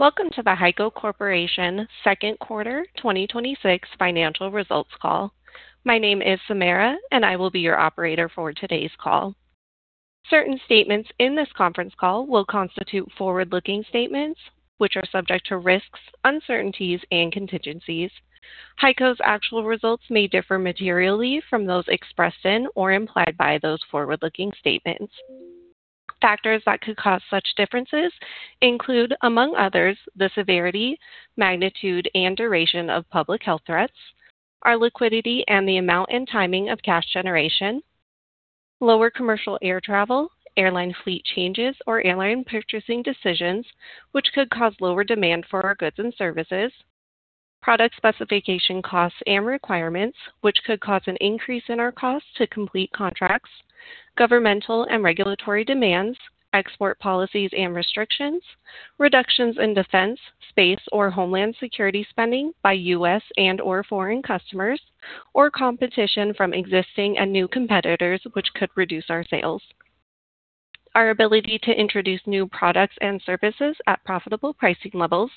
Welcome to the HEICO Corporation second quarter 2026 financial results call. My name is Samara, and I will be your operator for today's call. Certain statements in this conference call will constitute forward-looking statements, which are subject to risks, uncertainties, and contingencies. HEICO's actual results may differ materially from those expressed in or implied by those forward-looking statements. Factors that could cause such differences include, among others, the severity, magnitude, and duration of public health threats, our liquidity and the amount and timing of cash generation, lower commercial air travel, airline fleet changes, or airline purchasing decisions, which could cause lower demand for our goods and services, product specification costs and requirements, which could cause an increase in our costs to complete contracts, governmental and regulatory demands, export policies and restrictions, reductions in defense, space, or homeland security spending by U.S. and/or foreign customers, or competition from existing and new competitors, which could reduce our sales. Our ability to introduce new products and services at profitable pricing levels,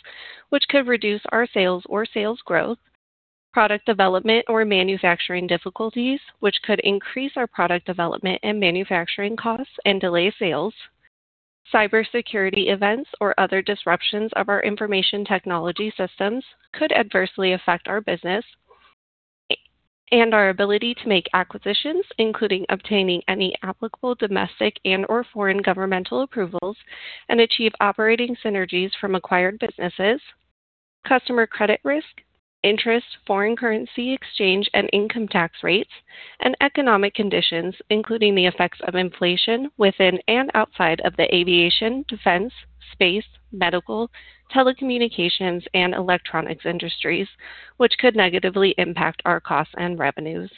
which could reduce our sales or sales growth, product development or manufacturing difficulties, which could increase our product development and manufacturing costs and delay sales, cybersecurity events or other disruptions of our information technology systems could adversely affect our business and our ability to make acquisitions, including obtaining any applicable domestic and/or foreign governmental approvals and achieve operating synergies from acquired businesses, customer credit risk, interest, foreign currency exchange, and income tax rates, and economic conditions, including the effects of inflation within and outside of the aviation, defense, space, medical, telecommunications, and electronics industries, which could negatively impact our costs and revenues.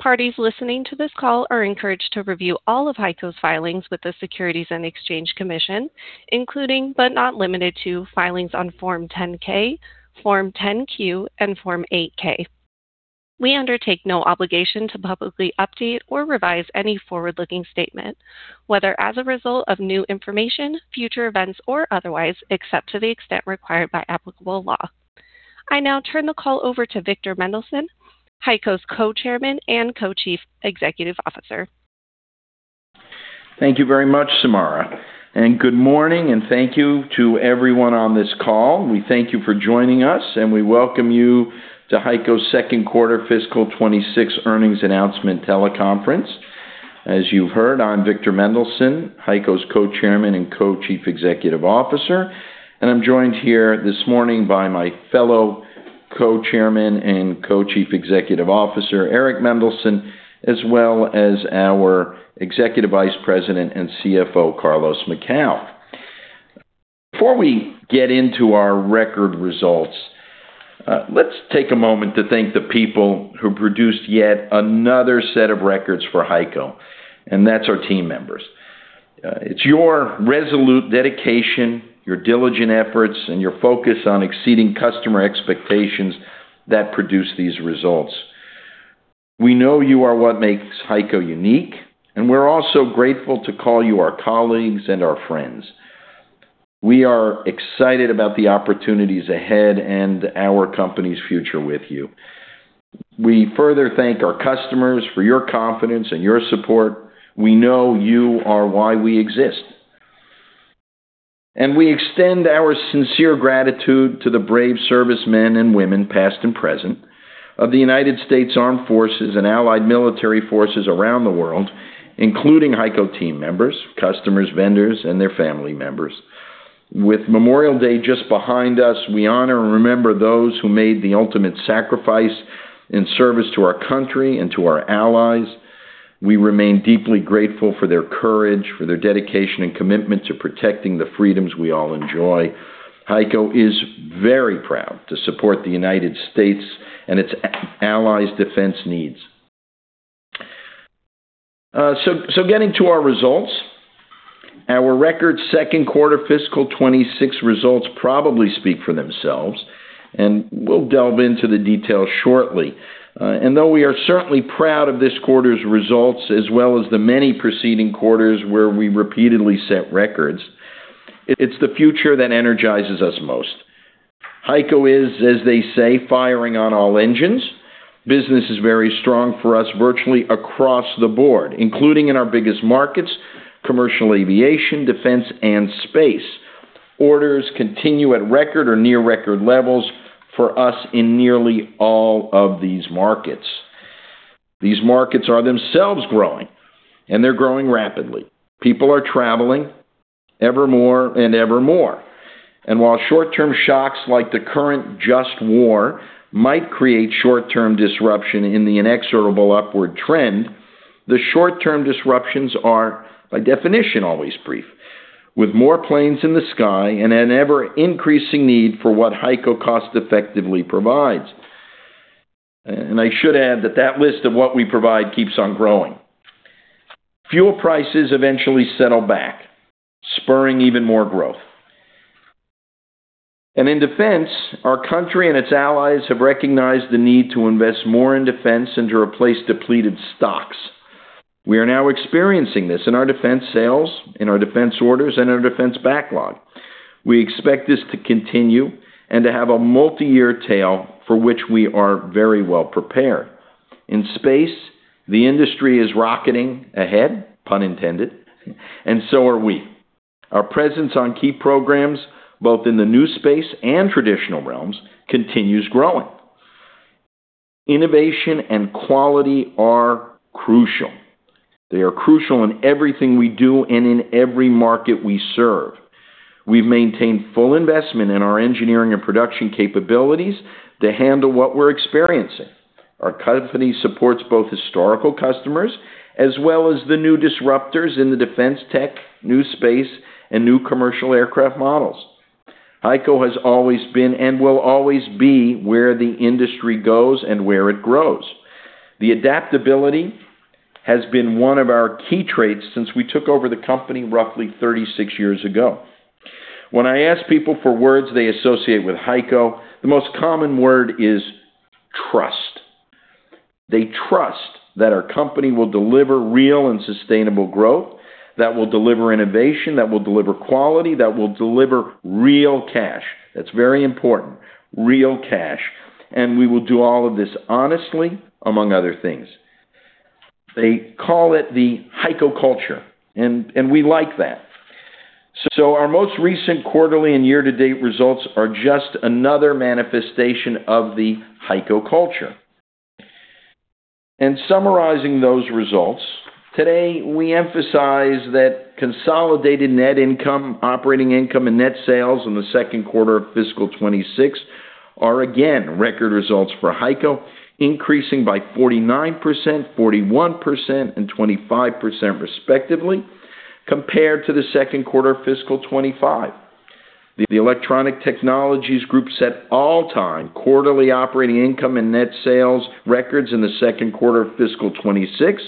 Parties listening to this call are encouraged to review all of HEICO's filings with the Securities and Exchange Commission, including, but not limited to, filings on Form 10-K, Form 10-Q, and Form 8-K. We undertake no obligation to publicly update or revise any forward-looking statement, whether as a result of new information, future events, or otherwise, except to the extent required by applicable law. I now turn the call over to Victor Mendelson, HEICO's Co-Chairman and Co-Chief Executive Officer. Thank you very much, Samara, and good morning, and thank you to everyone on this call. We thank you for joining us, and we welcome you to HEICO's second quarter fiscal 2026 earnings announcement teleconference. As you've heard, I'm Victor Mendelson, HEICO's Co-Chairman and Co-Chief Executive Officer, and I'm joined here this morning by my fellow Co-Chairman and Co-Chief Executive Officer, Eric Mendelson, as well as our Executive Vice President and CFO, Carlos Macau. Before we get into our record results, let's take a moment to thank the people who produced yet another set of records for HEICO, and that's our team members. It's your resolute dedication, your diligent efforts, and your focus on exceeding customer expectations that produce these results. We know you are what makes HEICO unique, and we're also grateful to call you our colleagues and our friends. We are excited about the opportunities ahead and our company's future with you. We further thank our customers for your confidence and your support. We know you are why we exist. We extend our sincere gratitude to the brave servicemen and women, past and present, of the United States Armed Forces and allied military forces around the world, including HEICO team members, customers, vendors, and their family members. With Memorial Day just behind us, we honor and remember those who made the ultimate sacrifice in service to our country and to our allies. We remain deeply grateful for their courage, for their dedication and commitment to protecting the freedoms we all enjoy. HEICO is very proud to support the United States and its allies' defense needs. Getting to our results, our record second quarter fiscal 2026 results probably speak for themselves, and we'll delve into the details shortly. Though we are certainly proud of this quarter's results, as well as the many preceding quarters where we repeatedly set records, it's the future that energizes us most. HEICO is, as they say, firing on all engines. Business is very strong for us virtually across the board, including in our biggest markets, commercial aviation, defense, and space. Orders continue at record or near record levels for us in nearly all of these markets. These markets are themselves growing, and they're growing rapidly. People are traveling evermore and evermore. While short-term shocks like the current just war might create short-term disruption in the inexorable upward trend, the short-term disruptions are, by definition, always brief. With more planes in the sky and an ever-increasing need for what HEICO cost-effectively provides. I should add that that list of what we provide keeps on growing. Fuel prices eventually settle back, spurring even more growth. In defense, our country and its allies have recognized the need to invest more in defense and to replace depleted stocks. We are now experiencing this in our defense sales, in our defense orders, and in our defense backlog. We expect this to continue and to have a multi-year tail for which we are very well-prepared. In space, the industry is rocketing ahead, pun intended, and so are we. Our presence on key programs, both in the new space and traditional realms, continues growing. Innovation and quality are crucial. They are crucial in everything we do and in every market we serve. We've maintained full investment in our engineering and production capabilities to handle what we're experiencing. Our company supports both historical customers as well as the new disruptors in the defense tech, new space, and new commercial aircraft models. HEICO has always been and will always be where the industry goes and where it grows. The adaptability has been one of our key traits since we took over the company roughly 36 years ago. When I ask people for words they associate with HEICO, the most common word is trust. They trust that our company will deliver real and sustainable growth, that we'll deliver innovation, that we'll deliver quality, that we'll deliver real cash. That's very important, real cash, and we will do all of this honestly, among other things. They call it the HEICO culture, and we like that. Our most recent quarterly and year-to-date results are just another manifestation of the HEICO culture. In summarizing those results, today we emphasize that consolidated net income, operating income, and net sales in the second quarter of fiscal 2026 are again record results for HEICO, increasing by 49%, 41%, and 25%, respectively, compared to the second quarter of fiscal 2025. The Electronic Technologies Group set all-time quarterly operating income and net sales records in the second quarter of fiscal 2026,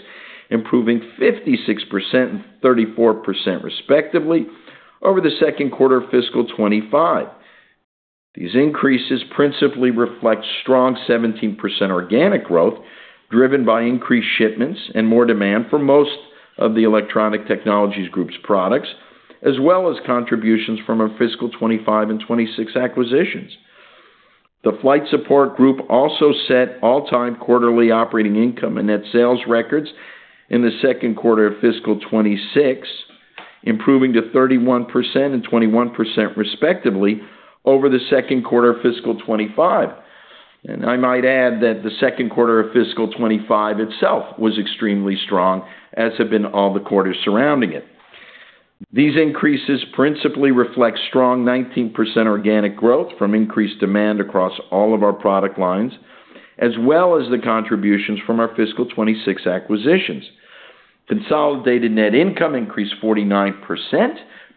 improving 56% and 34%, respectively, over the second quarter of fiscal 2025. These increases principally reflect strong 17% organic growth, driven by increased shipments and more demand for most of the Electronic Technologies Group's products, as well as contributions from our fiscal 2025 and 2026 acquisitions. The Flight Support Group also set all-time quarterly operating income and net sales records in the second quarter of fiscal 2026, improving to 31% and 21%, respectively, over the second quarter of fiscal 2025. I might add that the second quarter of fiscal 2025 itself was extremely strong, as have been all the quarters surrounding it. These increases principally reflect strong 19% organic growth from increased demand across all of our product lines, as well as the contributions from our fiscal 2026 acquisitions. Consolidated net income increased 49%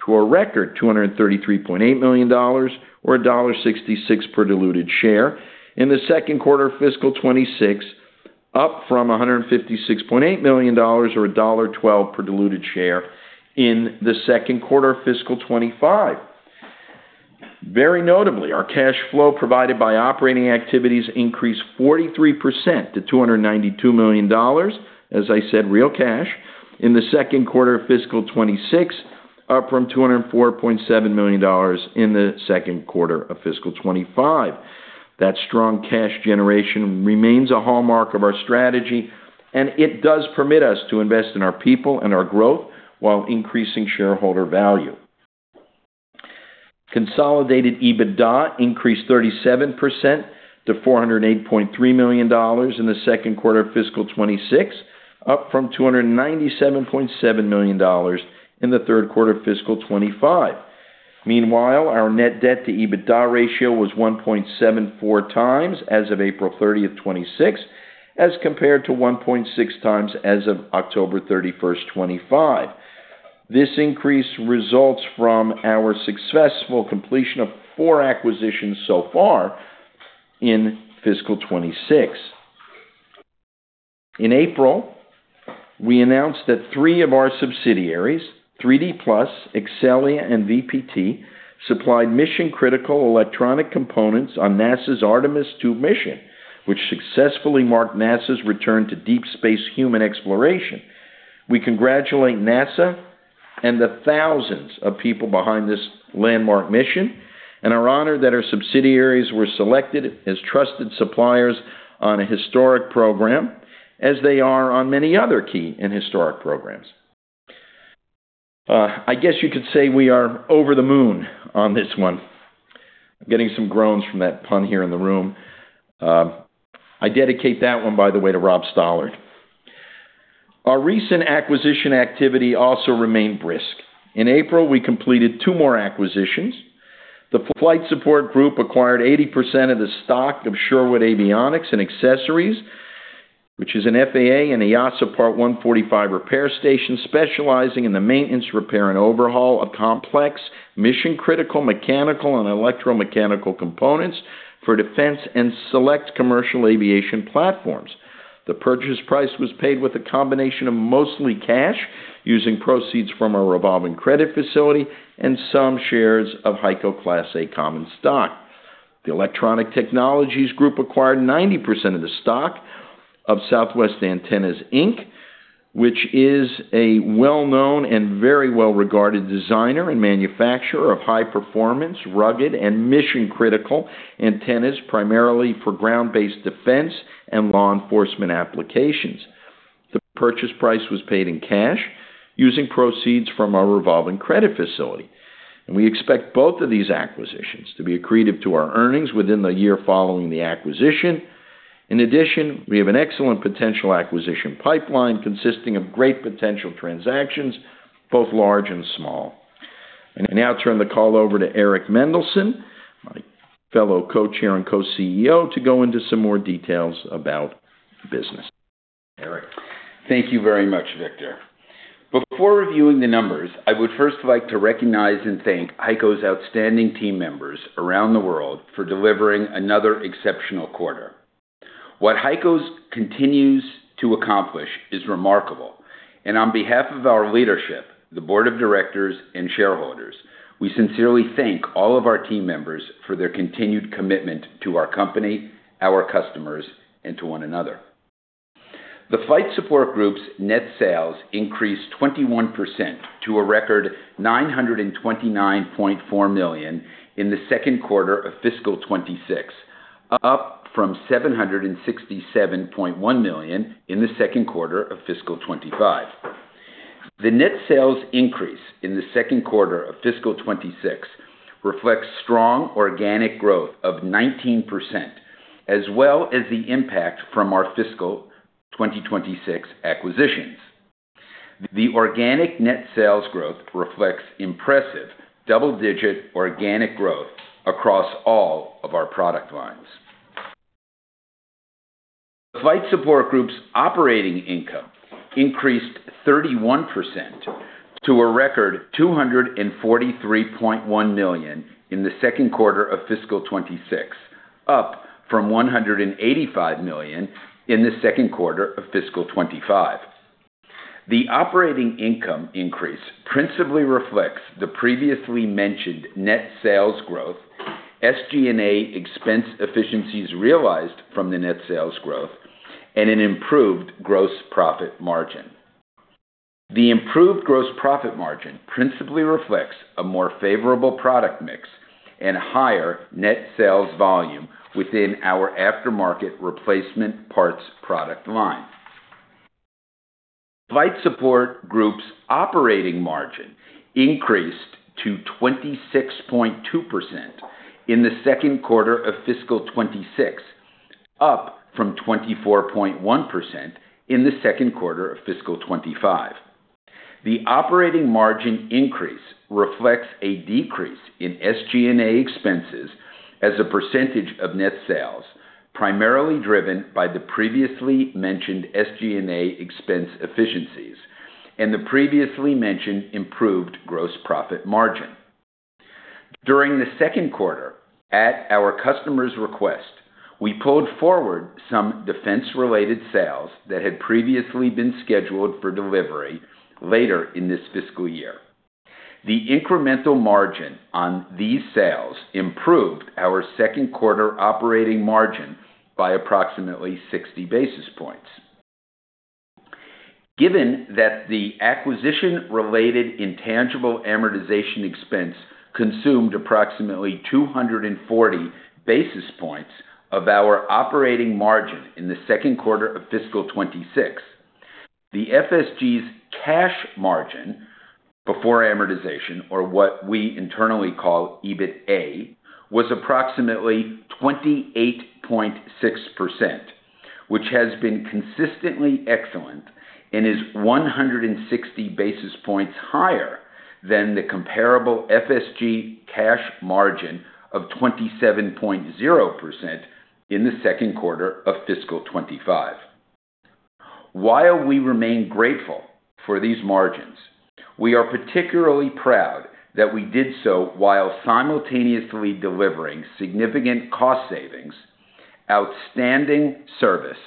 to a record $233.8 million, or $1.66 per diluted share in the second quarter of fiscal 2026, up from $156.8 million, or $1.12 per diluted share in the second quarter of fiscal 2025. Very notably, our cash flow provided by operating activities increased 43% to $292 million, as I said, real cash, in the second quarter of fiscal 2026, up from $204.7 million in the second quarter of fiscal 2025. That strong cash generation remains a hallmark of our strategy, and it does permit us to invest in our people and our growth while increasing shareholder value. Consolidated EBITDA increased 37% to $408.3 million in the second quarter of fiscal 2026, up from $297.7 million in the third quarter of fiscal 2025. Meanwhile, our net debt to EBITDA ratio was 1.74 times as of April 30, 2026, as compared to 1.6 times as of October 31st, 2025. This increase results from our successful completion of four acquisitions so far in fiscal 2026. In April, we announced that three of our subsidiaries, 3D PLUS, Exxelia, and VPT, supplied mission-critical electronic components on NASA's Artemis II mission, which successfully marked NASA's return to deep space human exploration. We congratulate NASA and the thousands of people behind this landmark mission and are honored that our subsidiaries were selected as trusted suppliers on a historic program, as they are on many other key and historic programs. I guess you could say we are over the moon on this one. I'm getting some groans from that pun here in the room. I dedicate that one, by the way, to Rob Stallard. Our recent acquisition activity also remained brisk. In April, we completed two more acquisitions. The Flight Support Group acquired 80% of the stock of Sherwood Avionics and Accessories, which is an FAA and EASA Part 145 repair station specializing in the maintenance, repair, and overhaul of complex mission-critical mechanical and electromechanical components for defense and select commercial aviation platforms. The purchase price was paid with a combination of mostly cash using proceeds from our revolving credit facility and some shares of HEICO Class A Common Stock. The Electronic Technologies Group acquired 90% of the stock of Southwest Antennas, Inc., which is a well-known and very well-regarded designer and manufacturer of high-performance, rugged, and mission-critical antennas, primarily for ground-based defense and law enforcement applications. The purchase price was paid in cash using proceeds from our revolving credit facility. We expect both of these acquisitions to be accretive to our earnings within the year following the acquisition. In addition, we have an excellent potential acquisition pipeline consisting of great potential transactions, both large and small. I now turn the call over to Eric Mendelson, my fellow Co-Chairman and Co-CEO, to go into some more details about the business. Eric. Thank you very much, Victor. Before reviewing the numbers, I would first like to recognize and thank HEICO's outstanding team members around the world for delivering another exceptional quarter. What HEICO continues to accomplish is remarkable, and on behalf of our leadership, the board of directors, and shareholders, we sincerely thank all of our team members for their continued commitment to our company, our customers, and to one another. The Flight Support Group's net sales increased 21% to a record $929.4 million in the second quarter of fiscal 2026, up from $767.1 million in the second quarter of fiscal 2025. The net sales increase in the second quarter of fiscal 2026 reflects strong organic growth of 19%, as well as the impact from our fiscal 2026 acquisitions. The organic net sales growth reflects impressive double-digit organic growth across all of our product lines. Flight Support Group's operating income increased 31% to a record $243.1 million in the second quarter of fiscal 2026, up from $185 million in the second quarter of fiscal 2025. The operating income increase principally reflects the previously mentioned net sales growth, SG&A expense efficiencies realized from the net sales growth, and an improved gross profit margin. The improved gross profit margin principally reflects a more favorable product mix and a higher net sales volume within our aftermarket replacement parts product line. Flight Support Group's operating margin increased to 26.2% in the second quarter of fiscal 2026, up from 24.1% in the second quarter of fiscal 2025. The operating margin increase reflects a decrease in SG&A expenses as a percentage of net sales, primarily driven by the previously mentioned SG&A expense efficiencies and the previously mentioned improved gross profit margin. During the second quarter, at our customer's request, we pulled forward some defense-related sales that had previously been scheduled for delivery later in this fiscal year. The incremental margin on these sales improved our second quarter operating margin by approximately 60 basis points. Given that the acquisition-related intangible amortization expense consumed approximately 240 basis points of our operating margin in the second quarter of fiscal 2026, the FSG's cash margin before amortization, or what we internally call EBITA, was approximately 28.6%, which has been consistently excellent and is 160 basis points higher than the comparable FSG cash margin of 27.0% in the second quarter of fiscal 2025. We remain grateful for these margins, we are particularly proud that we did so while simultaneously delivering significant cost savings, outstanding service,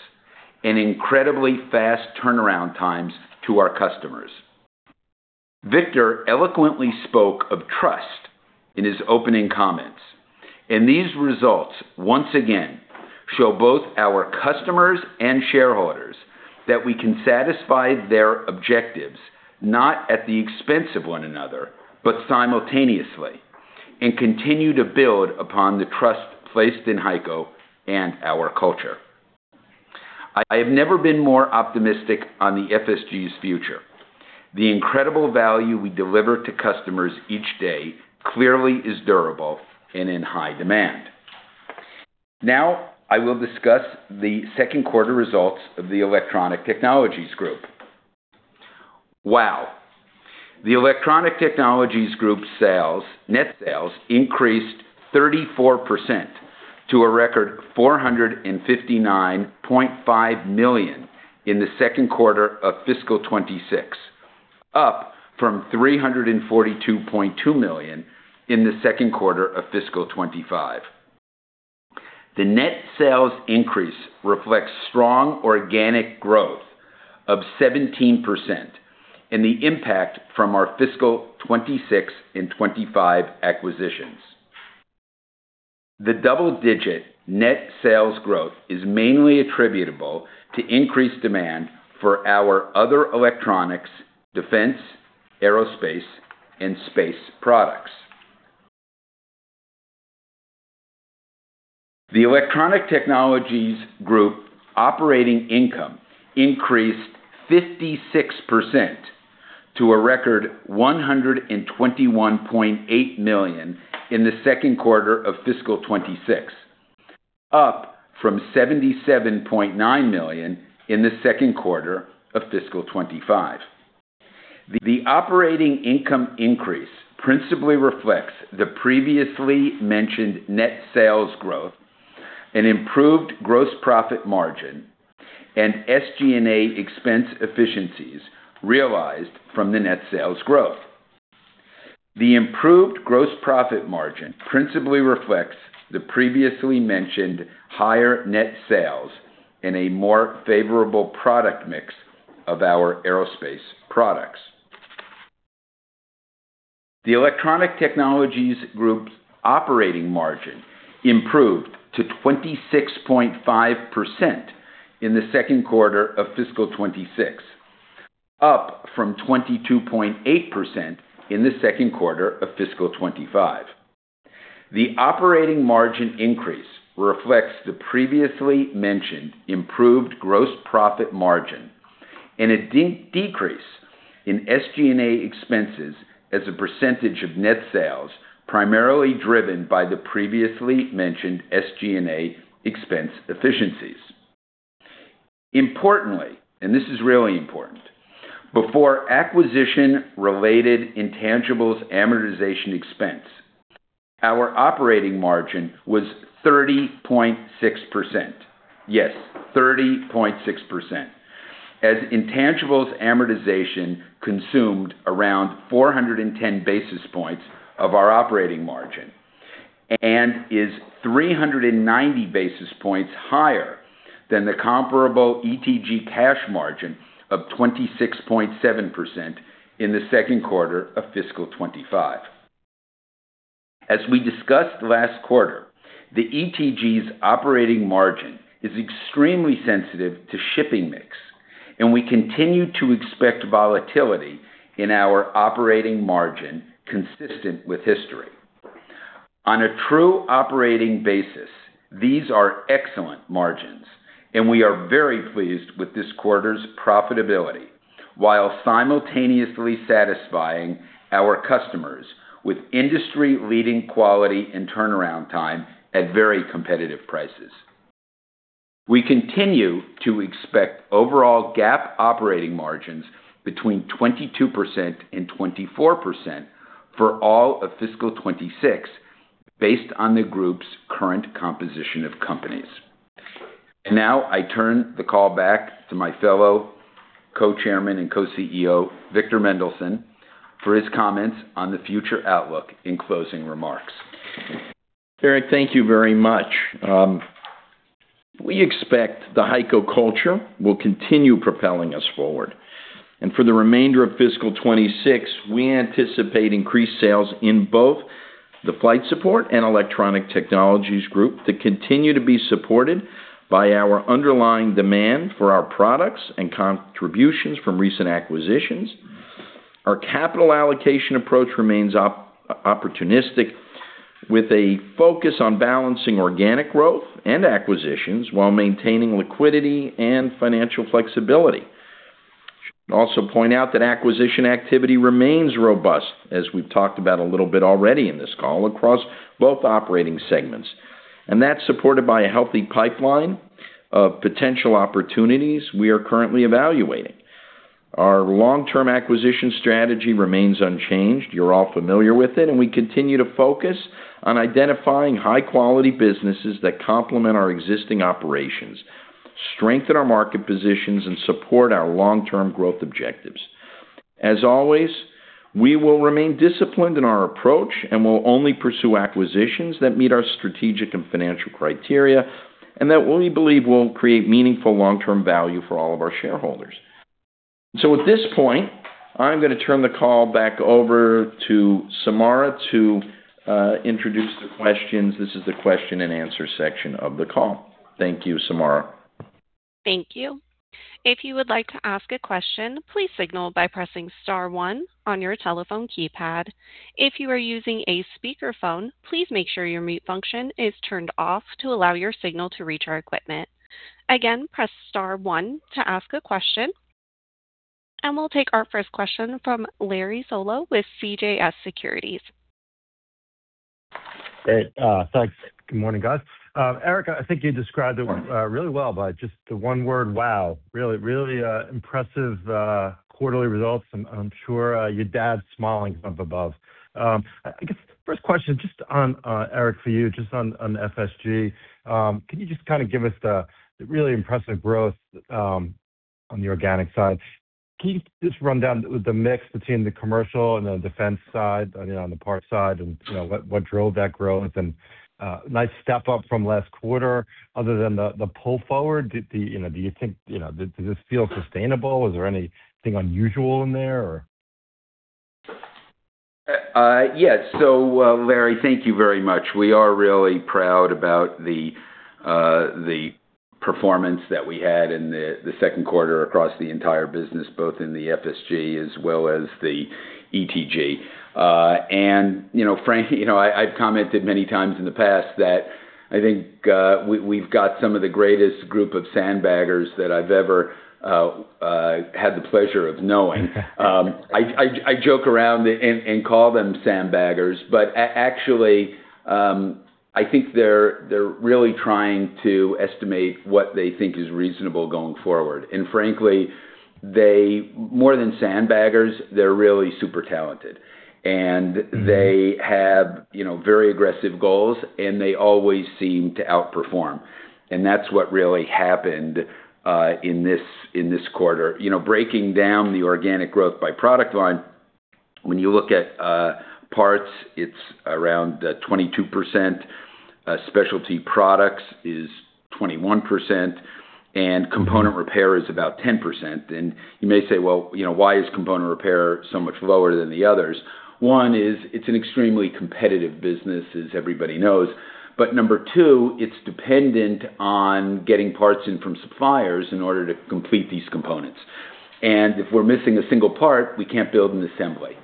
and incredibly fast turnaround times to our customers. Victor eloquently spoke of trust in his opening comments, and these results, once again, show both our customers and shareholders that we can satisfy their objectives, not at the expense of one another, but simultaneously, and continue to build upon the trust placed in HEICO Corporation and our culture. I have never been more optimistic on the Flight Support Group's future. The incredible value we deliver to customers each day clearly is durable and in high demand. Now I will discuss the second quarter results of the Electronic Technologies Group. Wow. The Electronic Technologies Group net sales increased 34% to a record $459.5 million in the second quarter of fiscal 2026, up from $342.2 million in the second quarter of fiscal 2025. The net sales increase reflects strong organic growth of 17% and the impact from our fiscal 2026 and 2025 acquisitions. The double-digit net sales growth is mainly attributable to increased demand for our other electronics, defense, aerospace, and space products. The Electronic Technologies Group operating income increased 56% to a record $121.8 million in the second quarter of fiscal 2026, up from $77.9 million in the second quarter of fiscal 2025. The operating income increase principally reflects the previously mentioned net sales growth and improved gross profit margin and SG&A expense efficiencies realized from the net sales growth. The improved gross profit margin principally reflects the previously mentioned higher net sales and a more favorable product mix of our aerospace products. The Electronic Technologies Group's operating margin improved to 26.5% in the second quarter of fiscal 2026, up from 22.8% in the second quarter of fiscal 2025. The operating margin increase reflects the previously mentioned improved gross profit margin and a decrease in SG&A expenses as a percentage of net sales, primarily driven by the previously mentioned SG&A expense efficiencies. Importantly, this is really important, before acquisition-related intangibles amortization expense, our operating margin was 30.6%. Yes, 30.6%, as intangibles amortization consumed around 410 basis points of our operating margin and is 390 basis points higher than the comparable ETG cash margin of 26.7% in the second quarter of fiscal 2025. As we discussed last quarter, the ETG's operating margin is extremely sensitive to shipping mix. We continue to expect volatility in our operating margin consistent with history. On a true operating basis, these are excellent margins. We are very pleased with this quarter's profitability, while simultaneously satisfying our customers with industry-leading quality and turnaround time at very competitive prices. We continue to expect overall GAAP operating margins between 22% and 24% for all of fiscal 2026, based on the group's current composition of companies. Now I turn the call back to my fellow Co-Chairman and Co-CEO, Victor Mendelson, for his comments on the future outlook and closing remarks. Eric, thank you very much. We expect the HEICO culture will continue propelling us forward. For the remainder of fiscal 2026, we anticipate increased sales in both the Flight Support and Electronic Technologies Group to continue to be supported by our underlying demand for our products and contributions from recent acquisitions. Our capital allocation approach remains opportunistic, with a focus on balancing organic growth and acquisitions while maintaining liquidity and financial flexibility. I should also point out that acquisition activity remains robust, as we've talked about a little bit already in this call, across both operating segments. That's supported by a healthy pipeline of potential opportunities we are currently evaluating. Our long-term acquisition strategy remains unchanged. You're all familiar with it, and we continue to focus on identifying high-quality businesses that complement our existing operations, strengthen our market positions, and support our long-term growth objectives. As always, we will remain disciplined in our approach, and we'll only pursue acquisitions that meet our strategic and financial criteria and that we believe will create meaningful long-term value for all of our shareholders. At this point, I'm going to turn the call back over to Samara to introduce the questions. This is the question and answer section of the call. Thank you, Samara. Thank you. If you would like to ask a question, please signal by pressing star one on your telephone keypad. If you are using a speakerphone, please make sure your mute function is turned off to allow your signal to reach our equipment. Again, press star one to ask a question. We'll take our first question from Larry Solow with CJS Securities. Great. Thanks. Good morning, guys. Eric, I think you described it really well by just the one word, wow. Really impressive quarterly results. I'm sure your dad's smiling from above. I guess, first question, just on, Eric, for you, just on FSG. Can you just kind of give us the really impressive growth on the organic side, can you just run down the mix between the commercial and the defense side, on the parts side, and what drove that growth? Nice step up from last quarter other than the pull forward. Do you think this feels sustainable? Is there anything unusual in there or? Yes. Larry, thank you very much. We are really proud about the performance that we had in the second quarter across the entire business, both in the FSG as well as the ETG. Frankly, I've commented many times in the past that I think we've got some of the greatest group of sandbaggers that I've ever had the pleasure of knowing. I joke around and call them sandbaggers, actually, I think they're really trying to estimate what they think is reasonable going forward. Frankly, more than sandbaggers, they're really super talented, and they have very aggressive goals and they always seem to outperform. That's what really happened in this quarter. Breaking down the organic growth by product line, when you look at parts, it's around 22%, specialty products is 21%, and component repair is about 10%. You may say, "Well, why is component repair so much lower than the others?" One is, it's an extremely competitive business as everybody knows. Number two, it's dependent on getting parts in from suppliers in order to complete these components. If we're missing a single part, we can't build an assembly.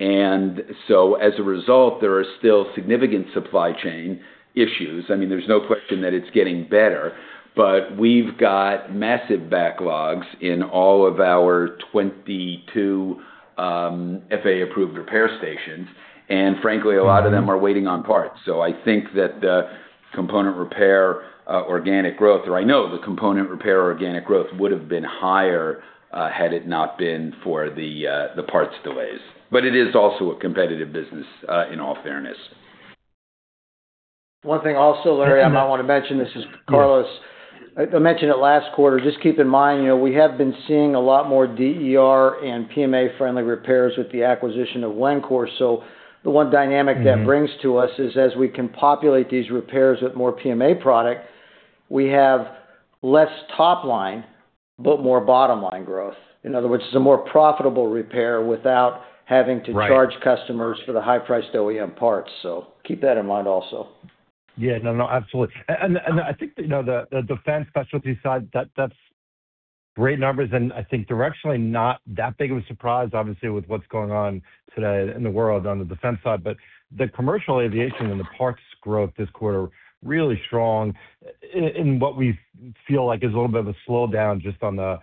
As a result, there are still significant supply chain issues. There's no question that it's getting better, but we've got massive backlogs in all of our 22 FAA-approved repair stations. Frankly, a lot of them are waiting on parts. I think that the component repair organic growth, or I know the component repair organic growth would've been higher, had it not been for the parts delays. It is also a competitive business, in all fairness. One thing also, Larry, I might want to mention, this is Carlos. I mentioned it last quarter. Just keep in mind, we have been seeing a lot more DER and PMA-friendly repairs with the acquisition of Wencor. The one dynamic that brings to us is as we can populate these repairs with more PMA product, we have less top line, but more bottom-line growth. In other words, it's a more profitable repair without having to charge customers for the high-priced OEM parts. Keep that in mind also. I think the defense specialty side, that's great numbers, and I think directionally not that big of a surprise, obviously with what's going on today in the world on the defense side. The commercial aviation and the parts growth this quarter, really strong in what we feel like is a little bit of a slowdown just on the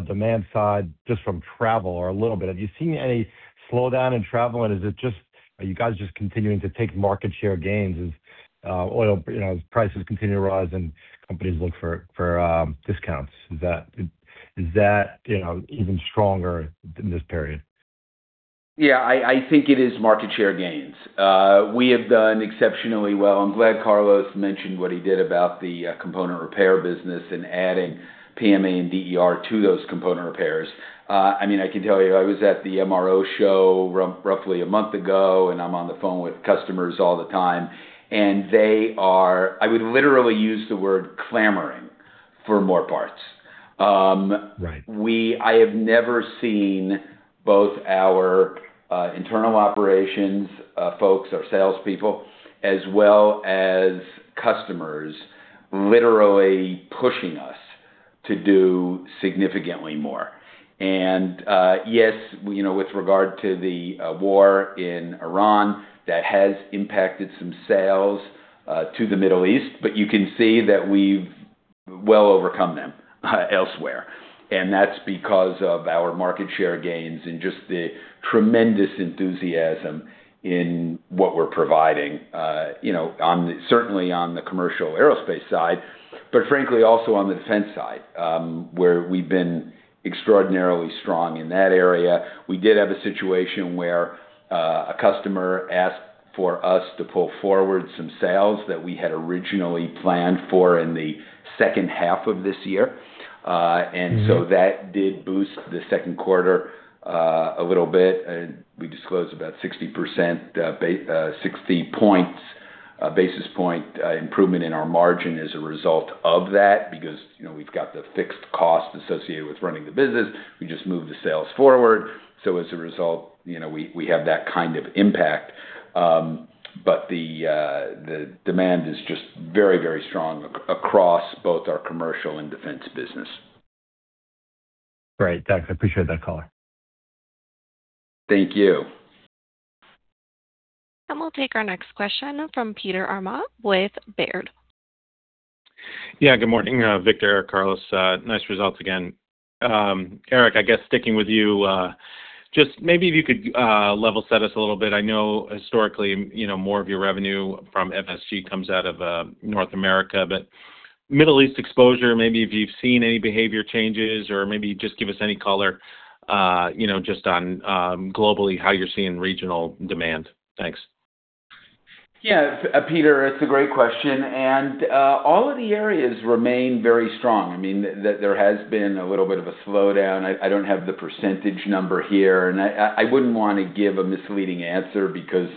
demand side, just from travel or a little bit. Have you seen any slowdown in travel, are you guys just continuing to take market share gains as oil prices continue to rise and companies look for discounts? Is that even stronger than this period? Yeah, I think it is market share gains. We have done exceptionally well. I'm glad Carlos mentioned what he did about the component repair business and adding PMA and DER to those component repairs. I can tell you, I was at the MRO show roughly a month ago, and I'm on the phone with customers all the time, and they are, I would literally use the word clamoring for more parts. Right. I have never seen both our internal operations folks, our salespeople, as well as customers literally pushing us to do significantly more. Yes, with regard to the war in Iran, that has impacted some sales to the Middle East, but you can see that we've well overcome them elsewhere. That's because of our market share gains and just the tremendous enthusiasm in what we're providing, certainly on the commercial aerospace side, but frankly also on the defense side, where we've been extraordinarily strong in that area. We did have a situation where a customer asked for us to pull forward some sales that we had originally planned for in the second half of this year. That did boost the second quarter a little bit. We disclosed about 60 basis points improvement in our margin as a result of that because we've got the fixed cost associated with running the business. We just moved the sales forward. As a result, we have that kind of impact. The demand is just very strong across both our commercial and defense business. Great. Thanks. I appreciate that color. Thank you. We'll take our next question from Peter Arment with Baird. Yeah, good morning, Victor, Carlos. Nice results again. Eric, I guess sticking with you, just maybe if you could level set us a little bit. I know historically, more of your revenue from FSG comes out of North America, but Middle East exposure, maybe if you've seen any behavior changes or maybe just give us any color, just on, globally, how you're seeing regional demand. Thanks. Yeah, Peter, it's a great question. All of the areas remain very strong. There has been a little bit of a slowdown. I don't have the percentage number here, and I wouldn't want to give a misleading answer because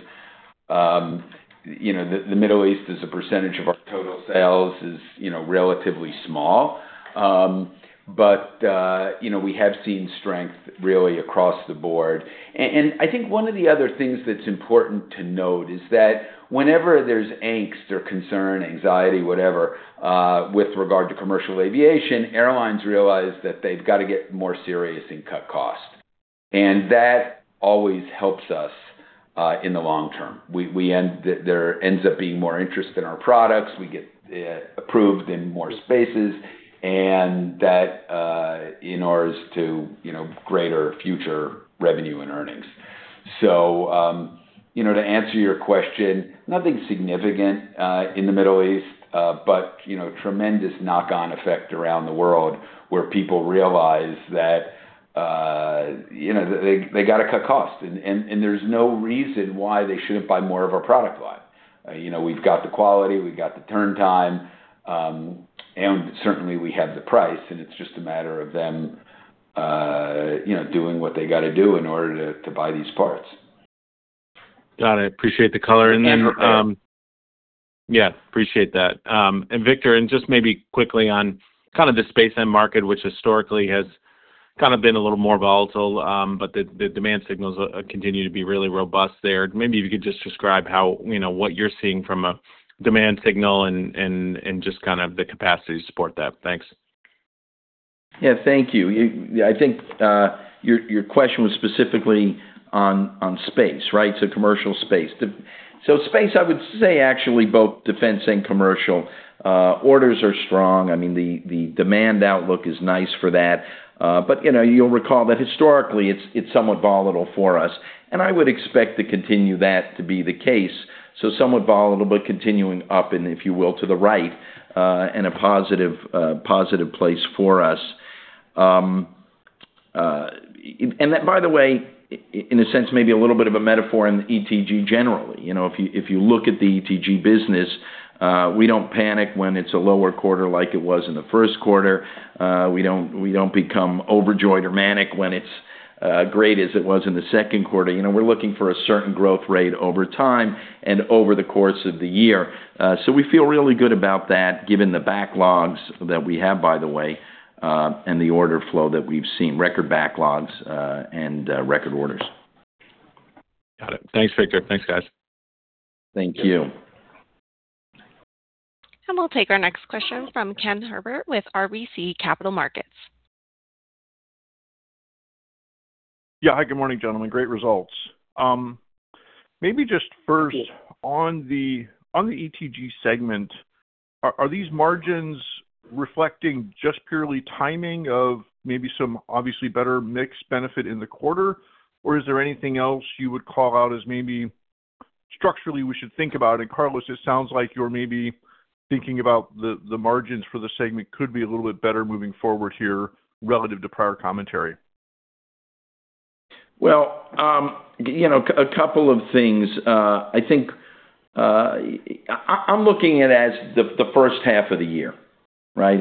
the Middle East is a percentage of our total sales, is relatively small. We have seen strength really across the board. I think one of the other things that's important to note is that whenever there's angst or concern, anxiety, whatever with regard to commercial aviation, airlines realize that they've got to get more serious and cut costs. That always helps us in the long term. There ends up being more interest in our products. We get approved in more spaces and that in order to greater future revenue and earnings. To answer your question, nothing significant in the Middle East, but tremendous knock-on effect around the world, where people realize that they've got to cut costs, and there's no reason why they shouldn't buy more of our product line. We've got the quality, we've got the turn time, and certainly, we have the price, and it's just a matter of them doing what they got to do in order to buy these parts. Got it. Appreciate the color. Thank you for that. Yeah. Appreciate that. Victor, just maybe quickly on kind of the space end market, which historically has kind of been a little more volatile, the demand signals continue to be really robust there. Maybe if you could just describe what you're seeing from a demand signal and just kind of the capacity to support that. Thanks. Yeah. Thank you. I think your question was specifically on space, right? Commercial space. Space, I would say actually both defense and commercial orders are strong. The demand outlook is nice for that. You'll recall that historically, it's somewhat volatile for us, and I would expect to continue that to be the case, so somewhat volatile, but continuing up and if you will, to the right, in a positive place for us. That, by the way, in a sense, maybe a little bit of a metaphor in ETG generally. If you look at the ETG business, we don't panic when it's a lower quarter like it was in the first quarter. We don't become overjoyed or manic when it's great as it was in the second quarter. We're looking for a certain growth rate over time and over the course of the year. We feel really good about that given the backlogs that we have, by the way, and the order flow that we've seen, record backlogs, and record orders. Got it. Thanks, Victor. Thanks, guys. Thank you. We'll take our next question from Ken Herbert with RBC Capital Markets. Yeah. Hi, good morning, gentlemen. Great results. Maybe just first on the ETG segment, are these margins reflecting just purely timing of maybe some obviously better mix benefit in the quarter, or is there anything else you would call out as maybe structurally we should think about? Carlos, it sounds like you're maybe thinking about the margins for the segment could be a little bit better moving forward here relative to prior commentary. Well, a couple of things. I'm looking at it as the first half of the year, right?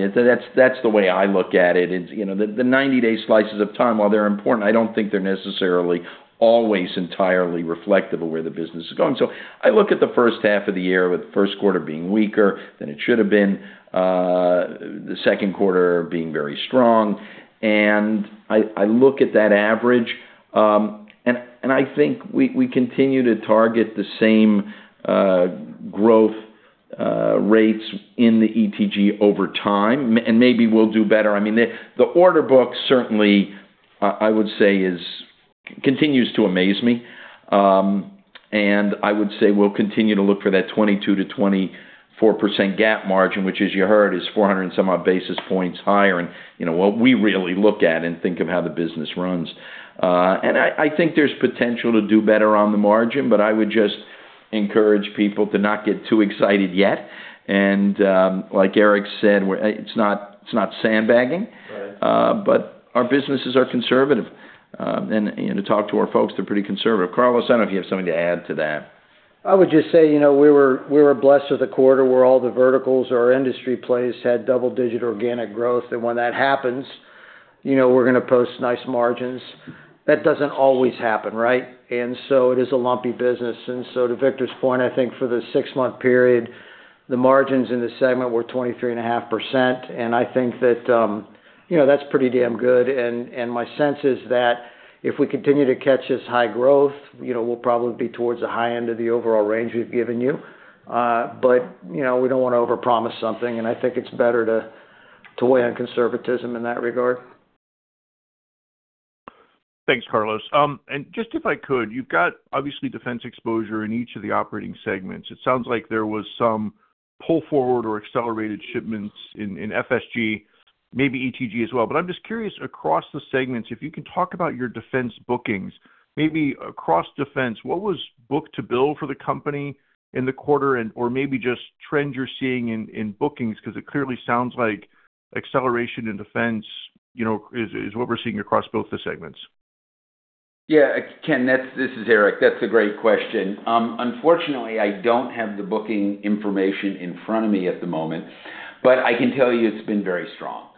That's the way I look at it. The 90-day slices of time, while they're important, I don't think they're necessarily always entirely reflective of where the business is going. I look at the first half of the year with the first quarter being weaker than it should have been, the second quarter being very strong. I look at that average, and I think we continue to target the same growth rates in the ETG over time, and maybe we'll do better. The order book certainly, I would say, continues to amaze me. I would say we'll continue to look for that 22%-24% GAAP margin, which as you heard, is 400 and some odd basis points higher. What we really look at and think of how the business runs. I think there's potential to do better on the margin, but I would just encourage people to not get too excited yet. Like Eric said, it's not sandbagging. Right. Our businesses are conservative. To talk to our folks, they're pretty conservative. Carlos, I don't know if you have something to add to that. I would just say, we were blessed with a quarter where all the verticals or industry plays had double-digit organic growth. When that happens, we're going to post nice margins. That doesn't always happen, right? It is a lumpy business. To Victor's point, I think for the six-month period, the margins in this segment were 23.5%, and I think that's pretty damn good. My sense is that if we continue to catch this high growth, we'll probably be towards the high end of the overall range we've given you. We don't want to overpromise something, and I think it's better to weigh on conservatism in that regard. Thanks, Carlos. Just if I could, you've got obviously defense exposure in each of the operating segments. It sounds like there was some pull forward or accelerated shipments in FSG, maybe ETG as well. I'm just curious across the segments, if you can talk about your defense bookings, maybe across defense, what was book to bill for the company in the quarter or maybe just trends you're seeing in bookings, because it clearly sounds like acceleration in defense is what we're seeing across both the segments. Yeah, Ken, this is Eric. That's a great question. Unfortunately, I don't have the booking information in front of me at the moment, but I can tell you it's been very strong.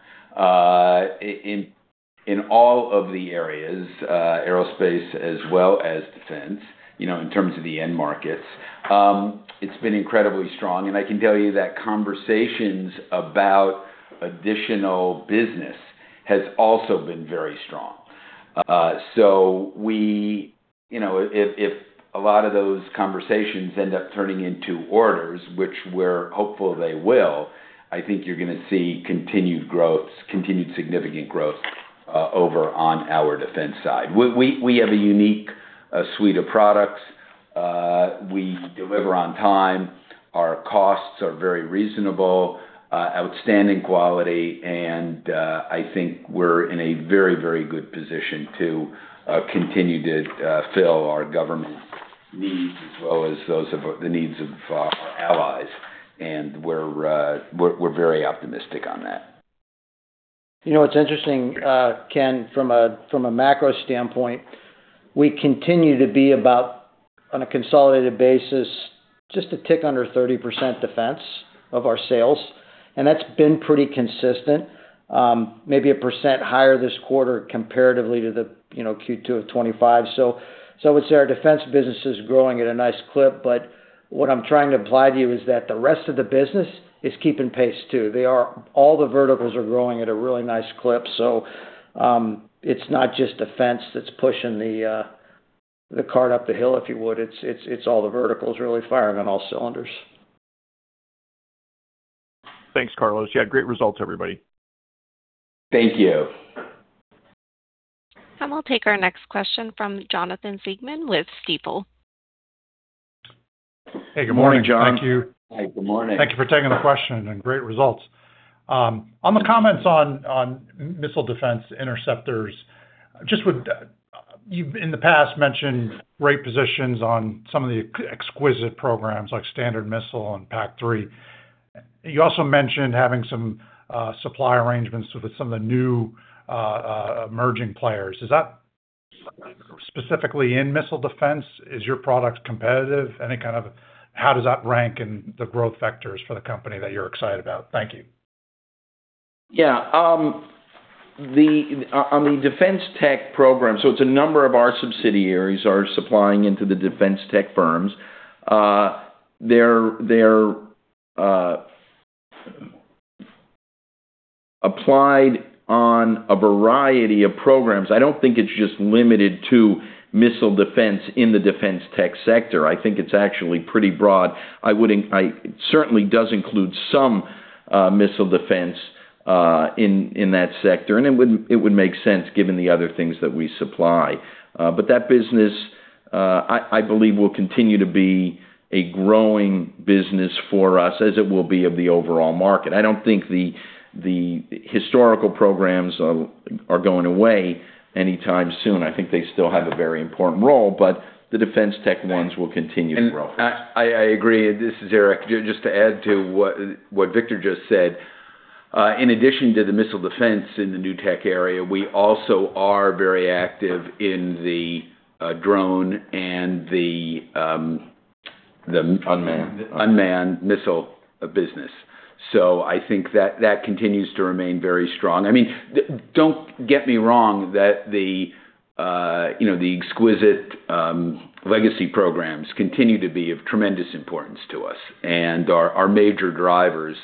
In all of the areas, aerospace as well as defense, in terms of the end markets, it's been incredibly strong. I can tell you that conversations about additional business has also been very strong. If a lot of those conversations end up turning into orders, which we're hopeful they will, I think you're going to see continued significant growth over on our defense side. We have a unique suite of products. We deliver on time. Our costs are very reasonable, outstanding quality, and I think we're in a very good position to continue to fill our government needs as well as the needs of our allies. We're very optimistic on that. You know, it's interesting, Ken, from a macro standpoint, we continue to be about, on a consolidated basis, just a tick under 30% defense of our sales, that's been pretty consistent. Maybe a percent higher this quarter comparatively to the Q2 of 2025. I would say our defense business is growing at a nice clip. What I'm trying to imply to you is that the rest of the business is keeping pace, too. All the verticals are growing at a really nice clip. It's not just defense that's pushing the cart up the hill, if you would. It's all the verticals really firing on all cylinders. Thanks, Carlos. Yeah, great results, everybody. Thank you. We'll take our next question from Jonathan Siegmann with Stifel. Hey, good morning. Morning, Jon. Hi. Good morning. Thank you for taking the question, and great results. On the comments on missile defense interceptors, you've, in the past, mentioned great positions on some of the exquisite programs like Standard Missile and PAC-3. You also mentioned having some supply arrangements with some of the new emerging players. Is that specifically in missile defense? Is your product competitive? How does that rank in the growth vectors for the company that you're excited about? Thank you. Yeah. On the defense tech program, a number of our subsidiaries are supplying into the defense tech firms. They're applied on a variety of programs. I don't think it's just limited to missile defense in the defense tech sector. I think it's actually pretty broad. It certainly does include some missile defense in that sector, and it would make sense given the other things that we supply. That business, I believe, will continue to be a growing business for us, as it will be of the overall market. I don't think the historical programs are going away anytime soon. I think they still have a very important role, but the defense tech ones will continue to grow. I agree. This is Eric. Just to add to what Victor just said. In addition to the missile defense in the new tech area, we also are very active in the drone. Unmanned Unmanned missile business. I think that continues to remain very strong. Don't get me wrong, that the exquisite legacy programs continue to be of tremendous importance to us and are major drivers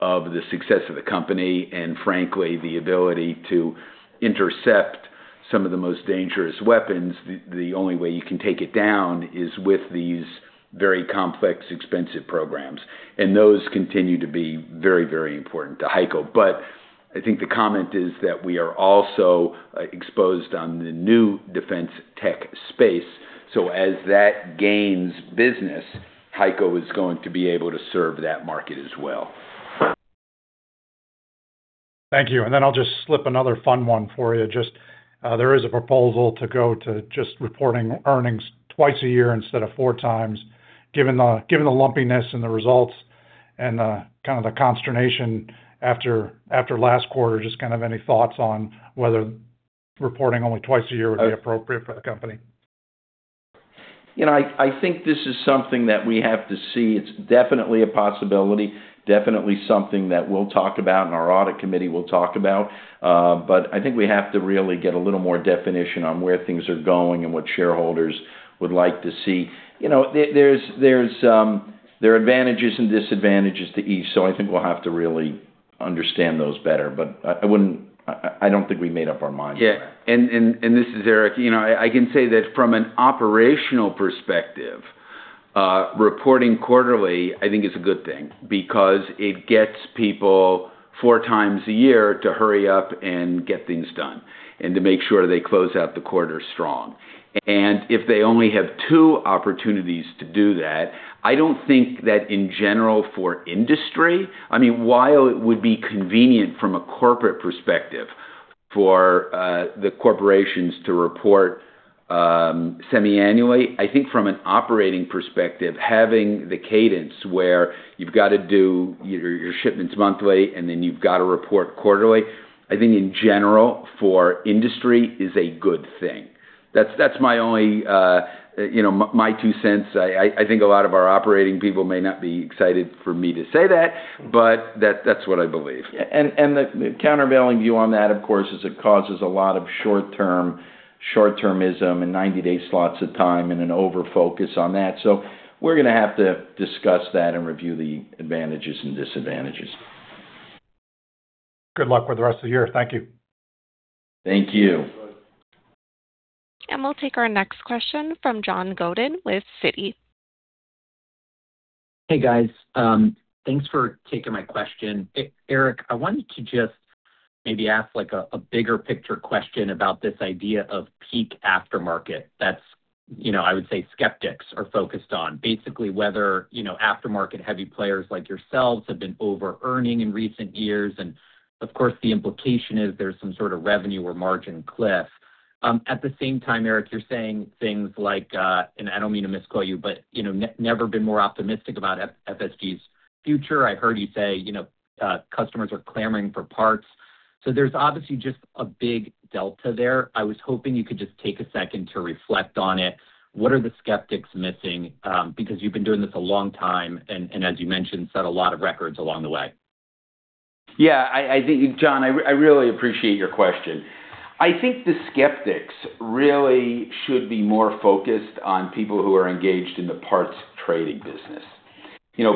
of the success of the company and frankly, the ability to intercept some of the most dangerous weapons. The only way you can take it down is with these very complex, expensive programs. Those continue to be very important to HEICO. I think the comment is that we are also exposed on the new defense tech space. As that gains business, HEICO is going to be able to serve that market as well. Thank you. Then I'll just slip another fun one for you. There is a proposal to go to just reporting earnings twice a year instead of four times. Given the lumpiness and the results and the consternation after last quarter, just any thoughts on whether reporting only twice a year would be appropriate for the company? I think this is something that we have to see. It's definitely a possibility, definitely something that we'll talk about and our audit committee will talk about. I think we have to really get a little more definition on where things are going and what shareholders would like to see. There are advantages and disadvantages to each, so I think we'll have to really understand those better. I don't think we've made up our mind on that. This is Eric. I can say that from an operational perspective, reporting quarterly, I think is a good thing because it gets people four times a year to hurry up and get things done, to make sure they close out the quarter strong. If they only have two opportunities to do that, I don't think that in general, for industry, while it would be convenient from a corporate perspective for the corporations to report semiannually, I think from an operating perspective, having the cadence where you've got to do your shipments monthly, then you've got to report quarterly, I think in general for industry, is a good thing. That's my only two cents. I think a lot of our operating people may not be excited for me to say that's what I believe. The countervailing view on that, of course, is it causes a lot of short-termism and 90-day slots of time and an over-focus on that. We're going to have to discuss that and review the advantages and disadvantages. Good luck with the rest of the year. Thank you. Thank you. We'll take our next question from John Godin with Citi. Hey, guys. Thanks for taking my question. Eric, I wanted to just maybe ask a bigger picture question about this idea of peak aftermarket that's, I would say, skeptics are focused on. Basically, whether aftermarket-heavy players like yourselves have been over-earning in recent years, and of course, the implication is there's some sort of revenue or margin cliff. At the same time, Eric, you're saying things like, and I don't mean to misquote you, but never been more optimistic about FSG's future. I've heard you say customers are clamoring for parts. There's obviously just a big delta there. I was hoping you could just take a second to reflect on it. What are the skeptics missing? You've been doing this a long time and, as you mentioned, set a lot of records along the way. Yeah, John, I really appreciate your question. I think the skeptics really should be more focused on people who are engaged in the parts trading business.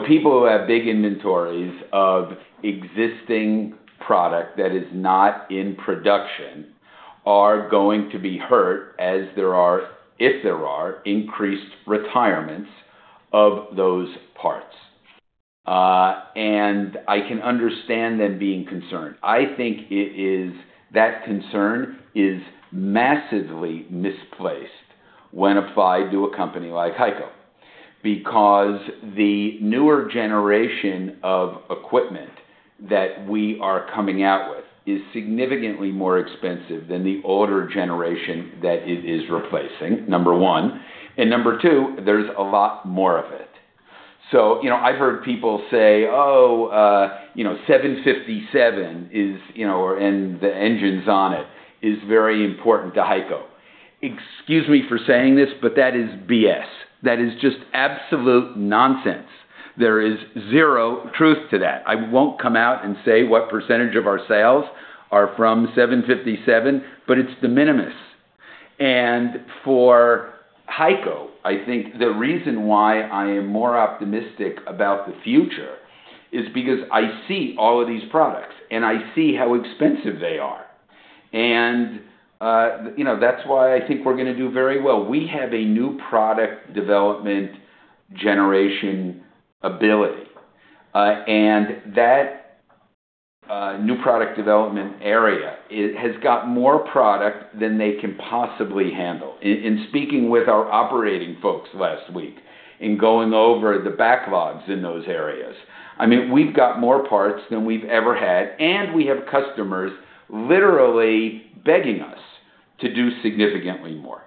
People who have big inventories of existing product that is not in production are going to be hurt as there are, if there are, increased retirements of those parts. I can understand them being concerned. I think that concern is massively misplaced when applied to a company like HEICO. The newer generation of equipment that we are coming out with is significantly more expensive than the older generation that it is replacing, number one, and number two, there's a lot more of it. I've heard people say, "Oh, 757 and the engines on it is very important to HEICO." Excuse me for saying this, but that is BS. That is just absolute nonsense. There is zero truth to that. I won't come out and say what percentage of our sales are from 757, but it's de minimis. For HEICO, I think the reason why I am more optimistic about the future is because I see all of these products, and I see how expensive they are. That's why I think we're going to do very well. We have a new product development generation ability, and that new product development area has got more product than they can possibly handle. In speaking with our operating folks last week, in going over the backlogs in those areas, I mean, we've got more parts than we've ever had, and we have customers literally begging us to do significantly more.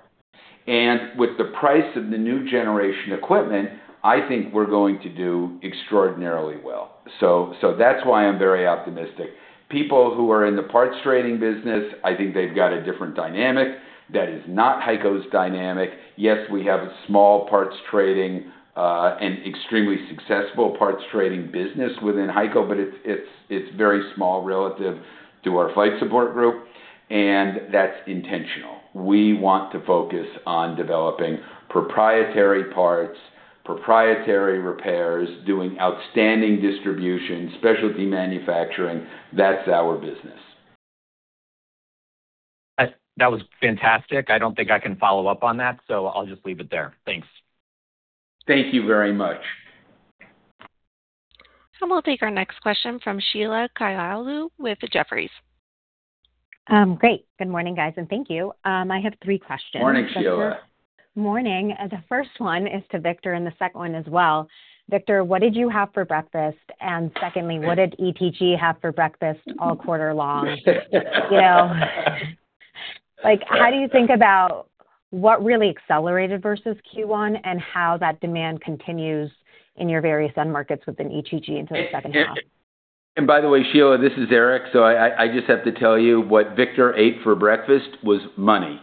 With the price of the new generation equipment, I think we're going to do extraordinarily well. That's why I'm very optimistic. People who are in the parts trading business, I think they've got a different dynamic that is not HEICO's dynamic. Yes, we have a small parts trading, an extremely successful parts trading business within HEICO, but it's very small relative to our Flight Support Group, and that's intentional. We want to focus on developing proprietary parts, proprietary repairs, doing outstanding distribution, specialty manufacturing. That's our business. That was fantastic. I don't think I can follow up on that, so I'll just leave it there. Thanks. Thank you very much. We'll take our next question from Sheila Kahyaoglu with Jefferies. Great. Good morning, guys, and thank you. I have three questions. Morning, Sheila. Morning. The first one is to Victor. The second one as well. Victor, what did you have for breakfast? Secondly, what did ETG have for breakfast all quarter long? How do you think about what really accelerated versus Q1 and how that demand continues in your various end markets within ETG into the second half? By the way, Sheila, this is Eric, so I just have to tell you what Victor ate for breakfast was money.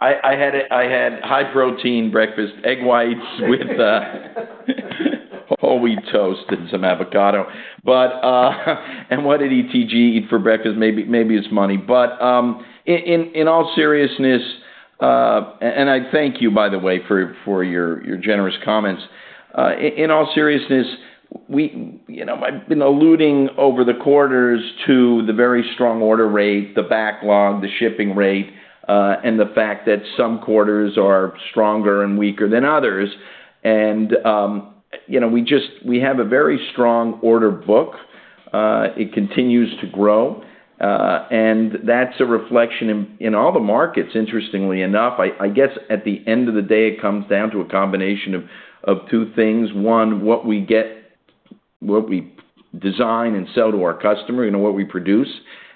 I had high protein breakfast, egg whites with whole wheat toast and some avocado. What did ETG eat for breakfast? Maybe it's money. In all seriousness, I thank you, by the way, for your generous comments. In all seriousness, I've been alluding over the quarters to the very strong order rate, the backlog, the shipping rate, and the fact that some quarters are stronger and weaker than others. We have a very strong order book. It continues to grow, and that's a reflection in all the markets, interestingly enough. I guess at the end of the day, it comes down to a combination of two things. One, what we design and sell to our customer and what we produce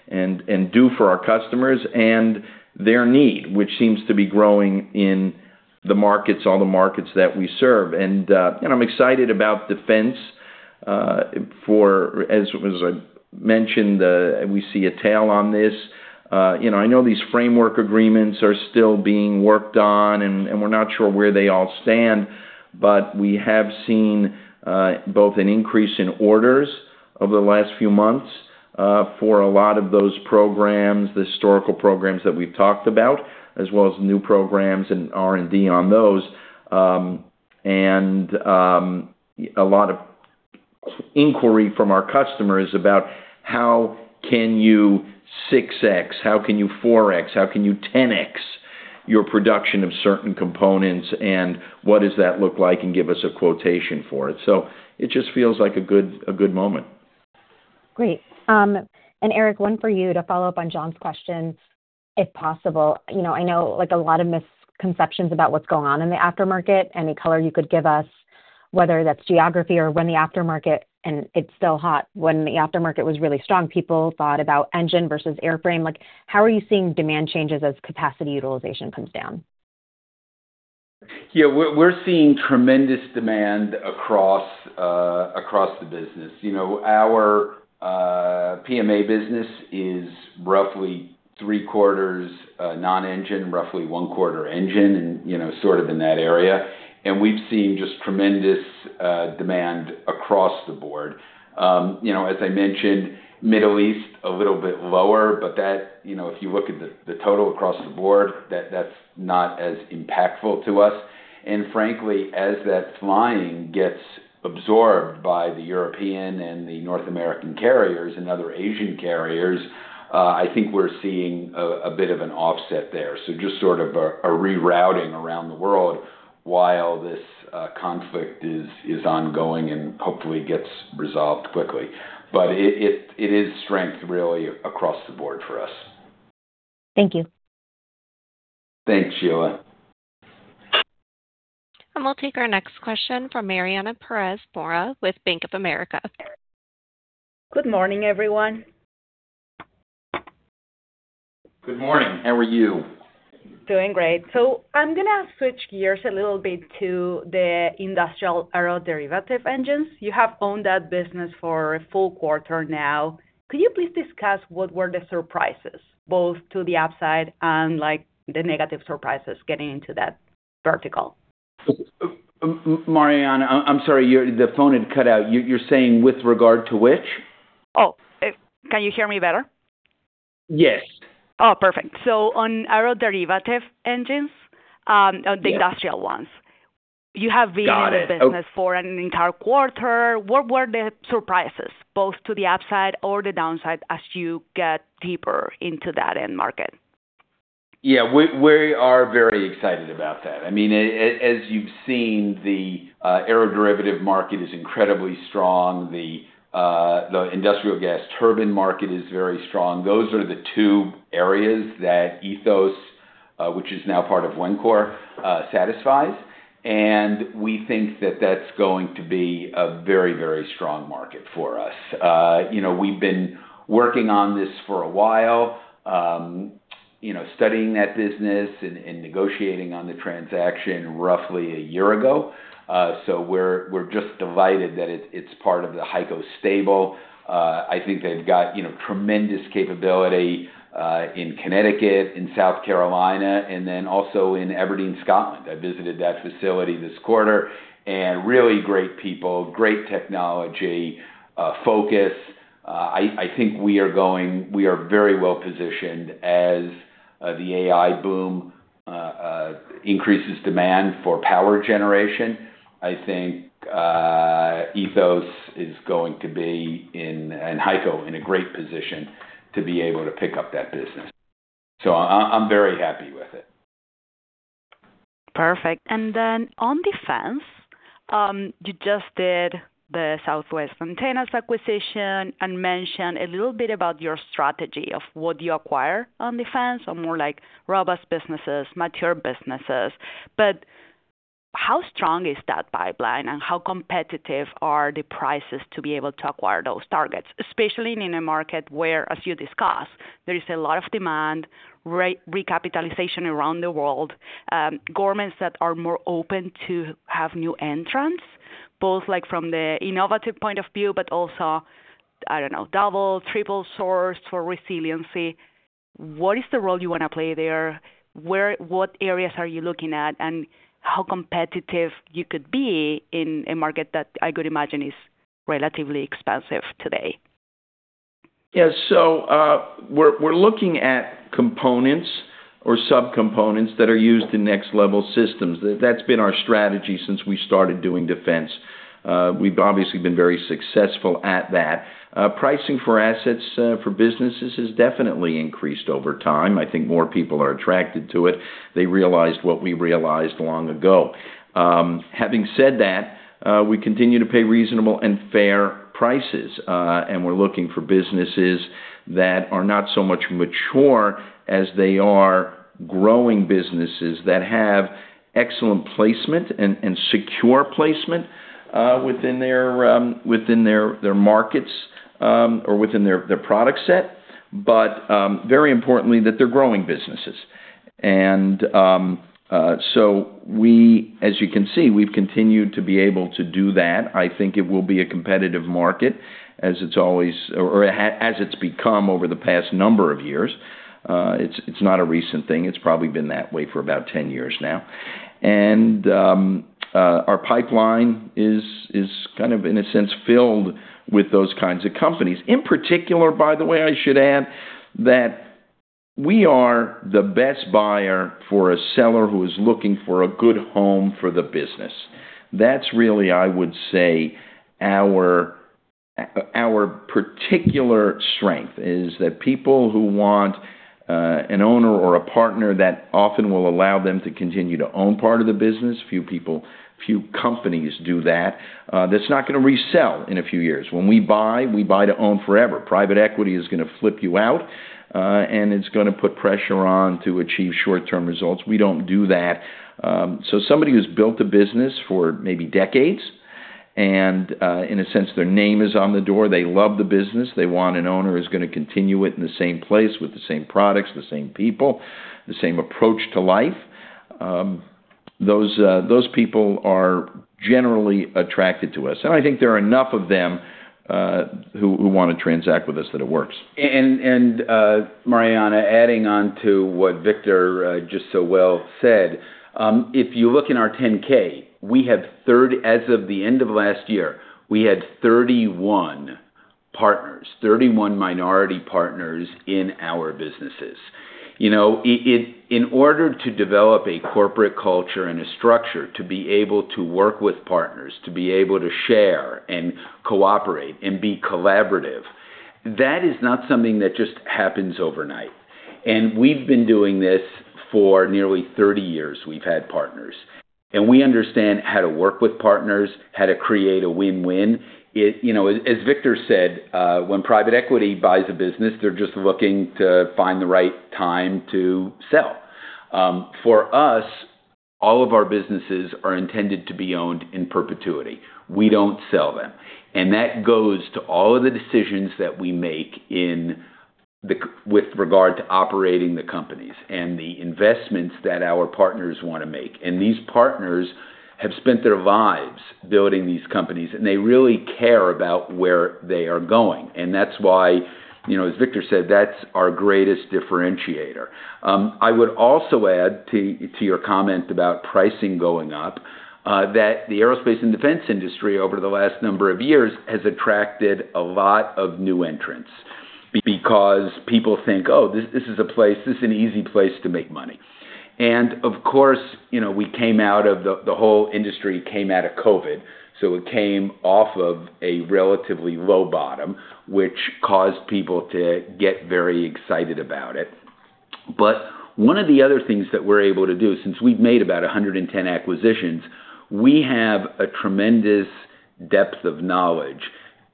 and do for our customers, and their need, which seems to be growing in all the markets that we serve. As was mentioned, we see a tail on this. I know these framework agreements are still being worked on, and we're not sure where they all stand, but we have seen both an increase in orders over the last few months for a lot of those programs, the historical programs that we've talked about, as well as new programs and R&D on those. A lot of inquiry from our customers about how can you 6x, how can you 4x, how can you 10x your production of certain components, and what does that look like, and give us a quotation for it. It just feels like a good moment. Great. Eric, one for you to follow up on John's questions, if possible. I know a lot of misconceptions about what's going on in the aftermarket. Any color you could give us, whether that's geography or when the aftermarket, and it's still hot. When the aftermarket was really strong, people thought about engine versus airframe. How are you seeing demand changes as capacity utilization comes down? Yeah. We're seeing tremendous demand across the business. Our PMA business is roughly three quarters non-engine, roughly one quarter engine, and sort of in that area. We've seen just tremendous demand across the board. As I mentioned, Middle East, a little bit lower, but if you look at the total across the board, that's not as impactful to us. Frankly, as that flying gets absorbed by the European and the North American carriers and other Asian carriers, I think we're seeing a bit of an offset there. Just sort of a rerouting around the world while this conflict is ongoing and hopefully gets resolved quickly. It is strength really across the board for us. Thank you. Thanks, Sheila. We'll take our next question from Mariana Pérez Mora with Bank of America. Good morning, everyone. Good morning. How are you? Doing great. I'm going to switch gears a little bit to the industrial aeroderivative engines. You have owned that business for a full quarter now. Could you please discuss what were the surprises, both to the upside and the negative surprises getting into that vertical? Mariana, I'm sorry, the phone had cut out. You're saying with regard to which? Oh, can you hear me better? Yes. Oh, perfect. On aeroderivative engines the industrial ones. You have been- Got it. In the business for an entire quarter. What were the surprises, both to the upside or the downside as you get deeper into that end market? Yeah, we are very excited about that. As you've seen, the aeroderivative market is incredibly strong. The industrial gas turbine market is very strong. Those are the two areas that Ethos, which is now part of Wencor, satisfies. We think that that's going to be a very strong market for us. We've been working on this for a while, studying that business and negotiating on the transaction roughly a year ago. We're just delighted that it's part of the HEICO stable. I think they've got tremendous capability in Connecticut, in South Carolina, and then also in Aberdeen, Scotland. I visited that facility this quarter. Really great people, great technology, focus. I think we are very well-positioned as the AI boom increases demand for power generation. I think Ethos is going to be, and HEICO, in a great position to be able to pick up that business. I'm very happy with it. Perfect. Then on defense, you just did the Southwest Antennas acquisition and mentioned a little bit about your strategy of what you acquire on defense or more like robust businesses, mature businesses. How strong is that pipeline and how competitive are the prices to be able to acquire those targets, especially in a market where, as you discussed, there is a lot of demand, recapitalization around the world, governments that are more open to have new entrants, both from the innovative point of view, but also, I don't know, double, triple source for resiliency. What is the role you want to play there? What areas are you looking at, and how competitive you could be in a market that I could imagine is relatively expensive today? Yeah. We're looking at components or sub-components that are used in next-level systems. That's been our strategy since we started doing defense. We've obviously been very successful at that. Pricing for assets for businesses has definitely increased over time. I think more people are attracted to it. They realized what we realized long ago. Having said that, we continue to pay reasonable and fair prices, and we're looking for businesses that are not so much mature as they are growing businesses that have excellent placement and secure placement within their markets or within their product set. Very importantly, that they're growing businesses. As you can see, we've continued to be able to do that. I think it will be a competitive market, as it's become over the past number of years. It's not a recent thing. It's probably been that way for about 10 years now. Our pipeline is kind of, in a sense, filled with those kinds of companies. In particular, by the way, I should add that we are the best buyer for a seller who is looking for a good home for the business. That's really, I would say, our particular strength is that people who want an owner or a partner that often will allow them to continue to own part of the business, few companies do that. That's not going to resell in a few years. When we buy, we buy to own forever. Private equity is going to flip you out, and it's going to put pressure on to achieve short-term results. We don't do that. Somebody who's built a business for maybe decades, and in a sense, their name is on the door, they love the business, they want an owner who's going to continue it in the same place with the same products, the same people, the same approach to life. Those people are generally attracted to us, and I think there are enough of them who want to transact with us that it works. Mariana, adding on to what Victor just so well said, if you look in our 10-K, as of the end of last year, we had 31 partners, 31 minority partners in our businesses. In order to develop a corporate culture and a structure to be able to work with partners, to be able to share and cooperate and be collaborative, that is not something that just happens overnight. We've been doing this for nearly 30 years, we've had partners, and we understand how to work with partners, how to create a win-win. As Victor said, when private equity buys a business, they're just looking to find the right time to sell. For us, all of our businesses are intended to be owned in perpetuity. We don't sell them. That goes to all of the decisions that we make with regard to operating the companies and the investments that our partners want to make. These partners have spent their lives building these companies, and they really care about where they are going. That's why, as Victor said, that's our greatest differentiator. I would also add to your comment about pricing going up, that the aerospace and defense industry over the last number of years has attracted a lot of new entrants because people think, "Oh, this is an easy place to make money." Of course, the whole industry came out of COVID, so it came off of a relatively low bottom, which caused people to get very excited about it. One of the other things that we're able to do, since we've made about 110 acquisitions, we have a tremendous depth of knowledge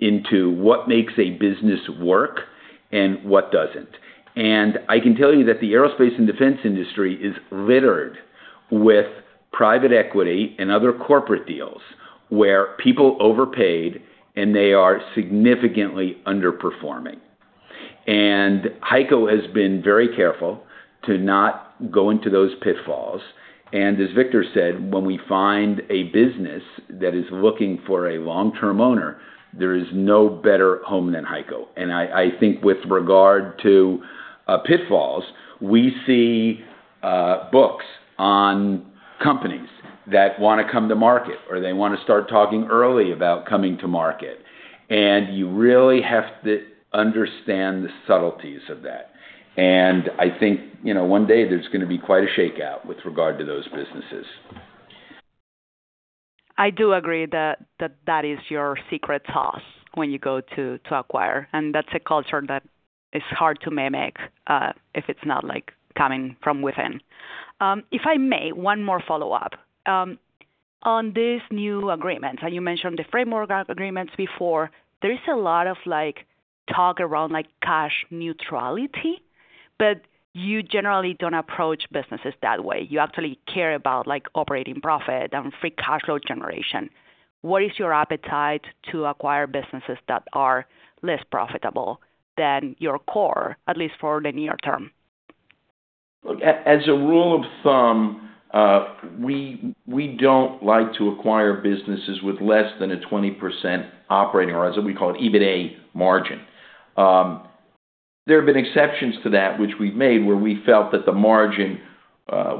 into what makes a business work and what doesn't. I can tell you that the aerospace and defense industry is littered with private equity and other corporate deals where people overpaid and they are significantly underperforming. HEICO has been very careful to not go into those pitfalls. As Victor said, when we find a business that is looking for a long-term owner, there is no better home than HEICO. I think with regard to pitfalls, we see books on companies that want to come to market, or they want to start talking early about coming to market. You really have to understand the subtleties of that. I think one day there's going to be quite a shakeout with regard to those businesses. I do agree that is your secret sauce when you go to acquire, That's a culture that is hard to mimic if it's not coming from within. If I may, one more follow-up. On these new agreements, you mentioned the framework agreements before, there is a lot of talk around cash neutrality. You generally don't approach businesses that way. You actually care about operating profit and free cash flow generation. What is your appetite to acquire businesses that are less profitable than your core, at least for the near term? As a rule of thumb, we don't like to acquire businesses with less than a 20% operating, or as we call it, EBITA margin. There have been exceptions to that which we've made where we felt that the margin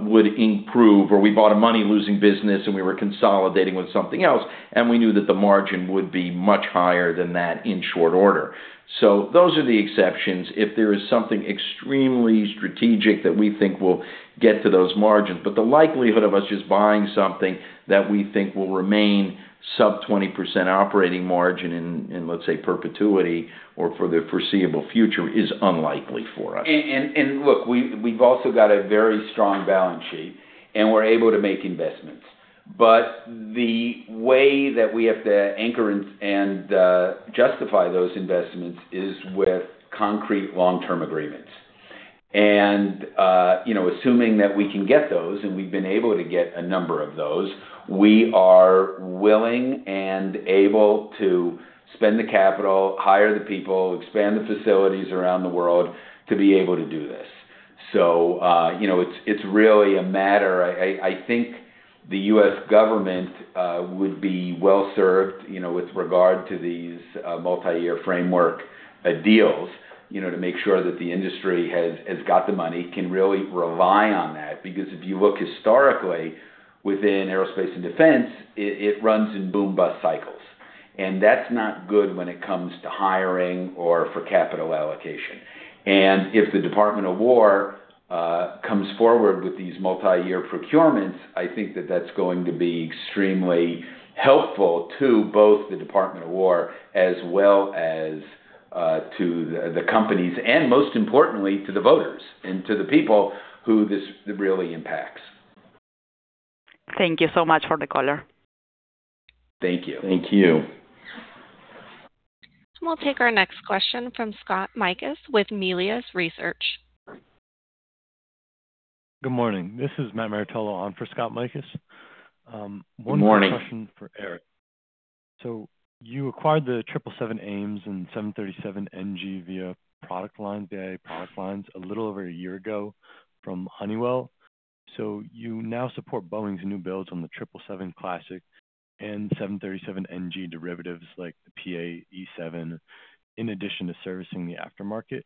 would improve, or we bought a money-losing business and we were consolidating with something else, and we knew that the margin would be much higher than that in short order. Those are the exceptions. If there is something extremely strategic that we think will get to those margins. The likelihood of us just buying something that we think will remain sub 20% operating margin in, let's say, perpetuity or for the foreseeable future is unlikely for us. Look, we've also got a very strong balance sheet, and we're able to make investments. The way that we have to anchor and justify those investments is with concrete long-term agreements. Assuming that we can get those, and we've been able to get a number of those, we are willing and able to spend the capital, hire the people, expand the facilities around the world to be able to do this. I think the U.S. government would be well-served with regard to these multi-year framework deals, to make sure that the industry has got the money, can really rely on that, because if you look historically within aerospace and defense, it runs in boom-bust cycles. That's not good when it comes to hiring or for capital allocation. If the Department of War comes forward with these multi-year procurements, I think that that's going to be extremely helpful to both the Department of War as well as to the companies, and most importantly, to the voters, and to the people who this really impacts. Thank you so much for the color. Thank you. Thank you. We'll take our next question from Scott Mikus with Melius Research. Good morning. This is Matt Marottolo on for Scott Mikus. Good morning. One quick question for Eric. You acquired the 777 AIMS and 737 NG via product lines a little over a year ago from Honeywell. You now support Boeing's new builds on the 777 Classic and 737 NG derivatives like the PAE7, in addition to servicing the aftermarket.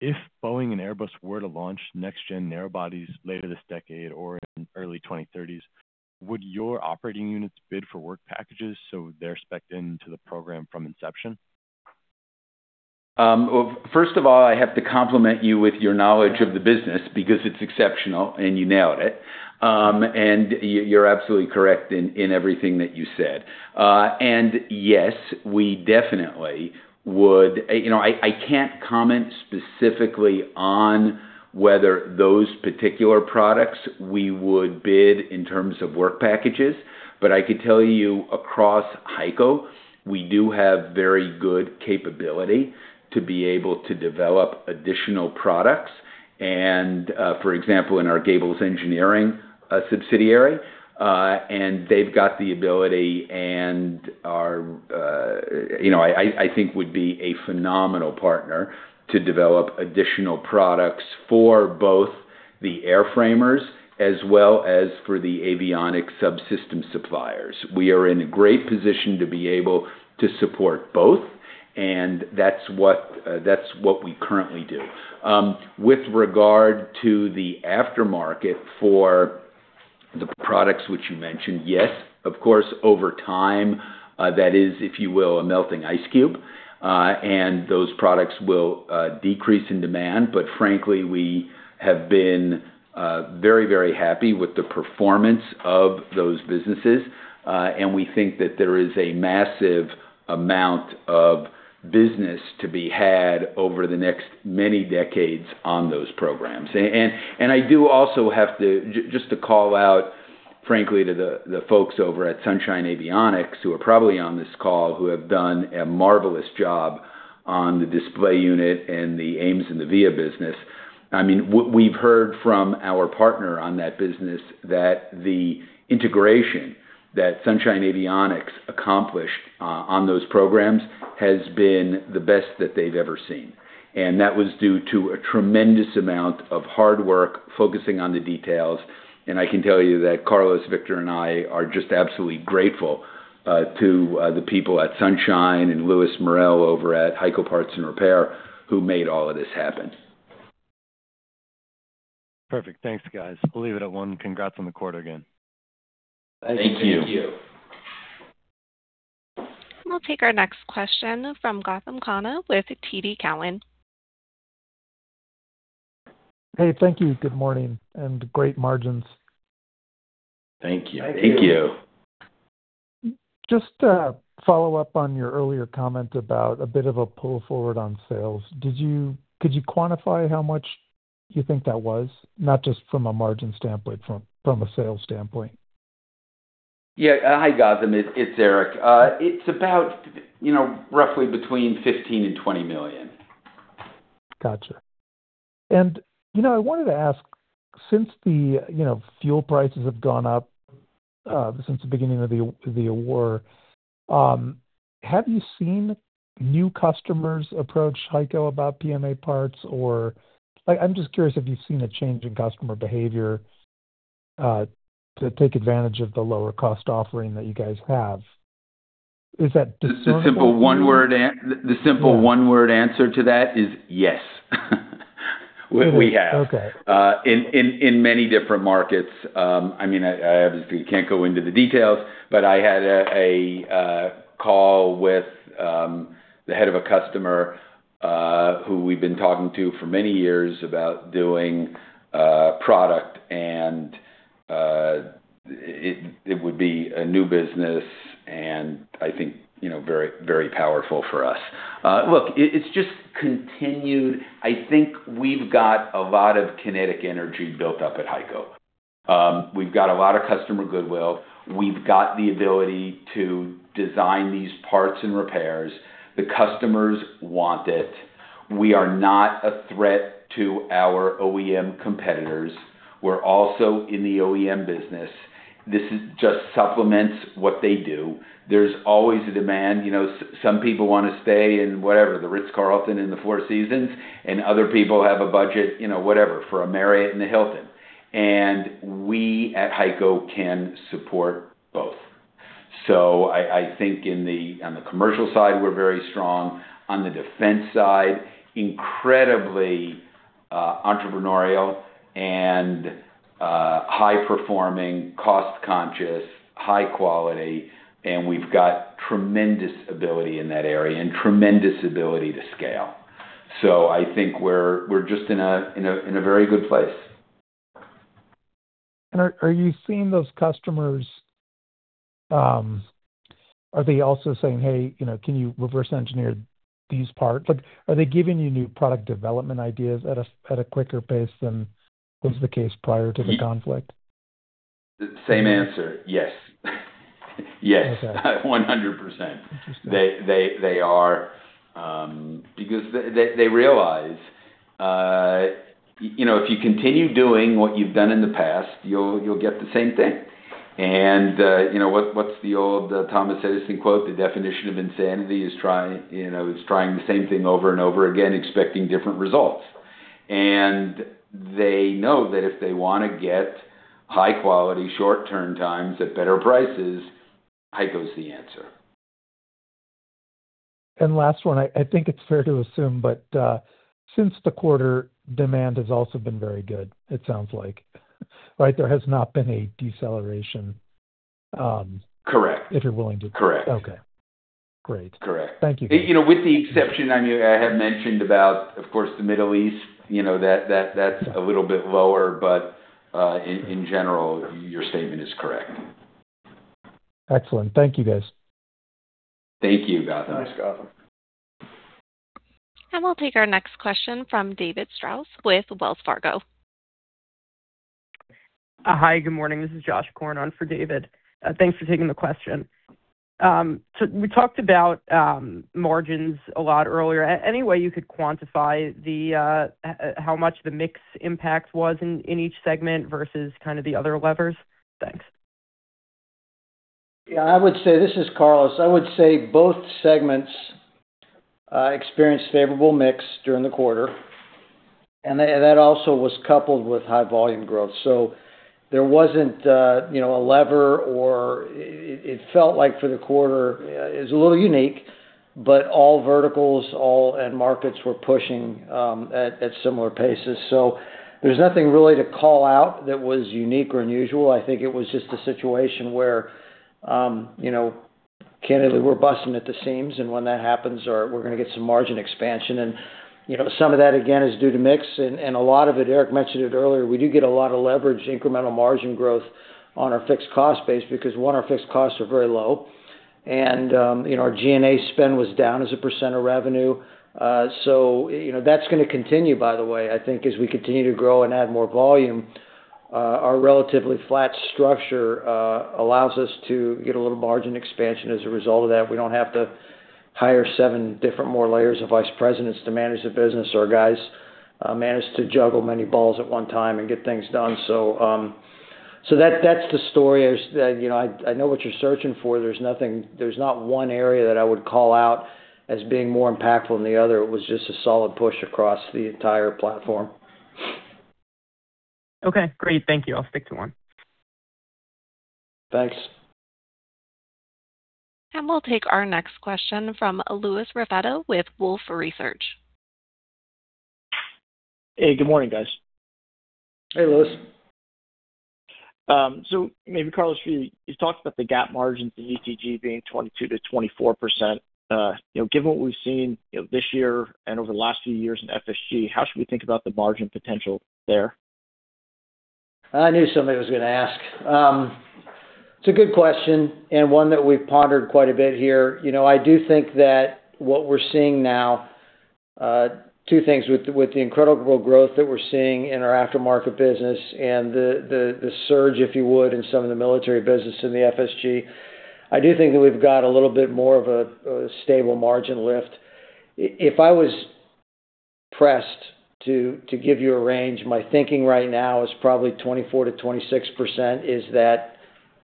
If Boeing and Airbus were to launch next-gen narrow bodies later this decade or in early 2030s, would your operating units bid for work packages so they're specced into the program from inception? Well, first of all, I have to compliment you with your knowledge of the business because it's exceptional and you nailed it. You're absolutely correct in everything that you said. Yes, we definitely I can't comment specifically on whether those particular products we would bid in terms of work packages, but I could tell you across HEICO, we do have very good capability to be able to develop additional products and, for example, in our Gables Engineering subsidiary, and they've got the ability and are, I think, would be a phenomenal partner to develop additional products for both the airframers as well as for the avionics subsystem suppliers. We are in a great position to be able to support both, and that's what we currently do. With regard to the aftermarket for the products which you mentioned, yes, of course, over time, that is, if you will, a melting ice cube, and those products will decrease in demand. Frankly, we have been very happy with the performance of those businesses. We think that there is a massive amount of business to be had over the next many decades on those programs. I do also have to, just to call out, frankly, to the folks over at Sunshine Avionics, who are probably on this call, who have done a marvelous job on the display unit and the AIMS and the VIA business. We've heard from our partner on that business that the integration that Sunshine Avionics accomplished on those programs has been the best that they've ever seen. That was due to a tremendous amount of hard work focusing on the details. I can tell you that Carlos, Victor, and I are just absolutely grateful to the people at Sunshine and Luis Morell over at HEICO Parts and Repair who made all of this happen. Perfect. Thanks, guys. We'll leave it at one. Congrats on the quarter again. Thank you. Thank you. We'll take our next question from Gautam Khanna with TD Cowen. Hey, thank you. Good morning. Great margins. Thank you. Thank you. Just to follow up on your earlier comment about a bit of a pull forward on sales, could you quantify how much you think that was, not just from a margin standpoint, from a sales standpoint? Yeah. Hi, Gautam, it's Eric. It's about roughly between $15 million and $20 million. Got you. I wanted to ask, since the fuel prices have gone up since the beginning of the war, have you seen new customers approach HEICO about PMA parts? I'm just curious if you've seen a change in customer behavior to take advantage of the lower-cost offering that you guys have. Is that discernible to you? The simple one-word an the simple one-word answer to that is yes. We have. Okay. In many different markets. I obviously can't go into the details, but I had a call with the head of a customer who we've been talking to for many years about doing product, and it would be a new business, and I think very powerful for us. Look, it's just continued. I think we've got a lot of kinetic energy built up at HEICO. We've got a lot of customer goodwill. We've got the ability to design these parts and repairs. The customers want it. We are not a threat to our OEM competitors. We're also in the OEM business. This just supplements what they do. There's always a demand. Some people want to stay in whatever, the Ritz-Carlton and the Four Seasons, and other people have a budget, whatever, for a Marriott and a Hilton. We at HEICO can support both. I think on the commercial side, we're very strong. On the defense side, incredibly entrepreneurial and high-performing, cost-conscious, high quality, and we've got tremendous ability in that area and tremendous ability to scale. I think we're just in a very good place. Are you seeing those customers? Are they also saying, "Hey, can you reverse engineer these parts?" Are they giving you new product development ideas at a quicker pace than was the case prior to the conflict? The same answer, yes. Yes. Okay. 100%. Interesting. They are, because they realize, if you continue doing what you've done in the past, you'll get the same thing. What's the old Thomas Edison quote? "The definition of insanity is trying the same thing over and over again, expecting different results." They know that if they want to get high quality, short turn times at better prices, HEICO's the answer. Last one, I think it's fair to assume, but since the quarter, demand has also been very good, it sounds like. Right? There has not been a deceleration- Correct. If you're willing to- Correct. Okay. Great. Correct. Thank you. With the exception, I have mentioned about, of course, the Middle East, that's a little bit lower, but, in general, your statement is correct. Excellent. Thank you, guys. Thank you, Gautam. Thanks, Gautam. We'll take our next question from David Strauss with Wells Fargo. Hi, good morning. This is Josh Korn on for David. Thanks for taking the question. We talked about margins a lot earlier. Any way you could quantify how much the mix impact was in each segment versus kind of the other levers? Thanks. Yeah, this is Carlos. I would say both segments experienced favorable mix during the quarter. That also was coupled with high volume growth. There wasn't a lever, or it felt like for the quarter is a little unique, but all verticals and markets were pushing at similar paces. There's nothing really to call out that was unique or unusual. I think it was just a situation where, candidly, we're busting at the seams, and when that happens, we're going to get some margin expansion. Some of that, again, is due to mix, and a lot of it, Eric mentioned it earlier, we do get a lot of leverage incremental margin growth on our fixed cost base because, one, our fixed costs are very low, and our G&A spend was down as a percent of revenue. That's going to continue, by the way. I think as we continue to grow and add more volume, our relatively flat structure allows us to get a little margin expansion as a result of that. We don't have to hire seven different more layers of vice presidents to manage the business. Our guys manage to juggle many balls at one time and get things done. That's the story. I know what you're searching for. There's not one area that I would call out as being more impactful than the other. It was just a solid push across the entire platform. Okay, great. Thank you. I'll stick to one. Thanks. We'll take our next question from Louis Raffetto with Wolfe Research. Hey, good morning, guys. Hey, Louis. Maybe Carlos, you talked about the GAAP margins in ETG being 22%-24%. Given what we've seen this year and over the last few years in FSG, how should we think about the margin potential there? I knew somebody was gonna ask. It's a good question and one that we've pondered quite a bit here. I do think that what we're seeing now, two things, with the incredible growth that we're seeing in our aftermarket business and the surge, if you would, in some of the military business in the FSG. I do think that we've got a little bit more of a stable margin lift. If I was pressed to give you a range, my thinking right now is probably 24%-26%, is that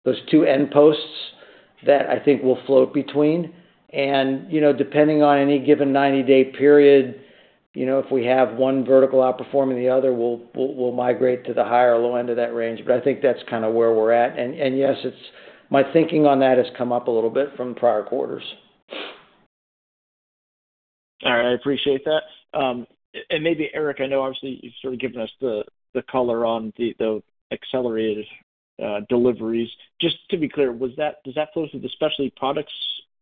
those two end posts that I think we'll float between. Depending on any given 90-day period, if we have one vertical outperforming the other, we'll migrate to the high or low end of that range. I think that's kind of where we're at, and yes, my thinking on that has come up a little bit from prior quarters. All right. I appreciate that. Maybe Eric, I know obviously you've sort of given us the color on the accelerated deliveries. Just to be clear, does that flow through the specialty products,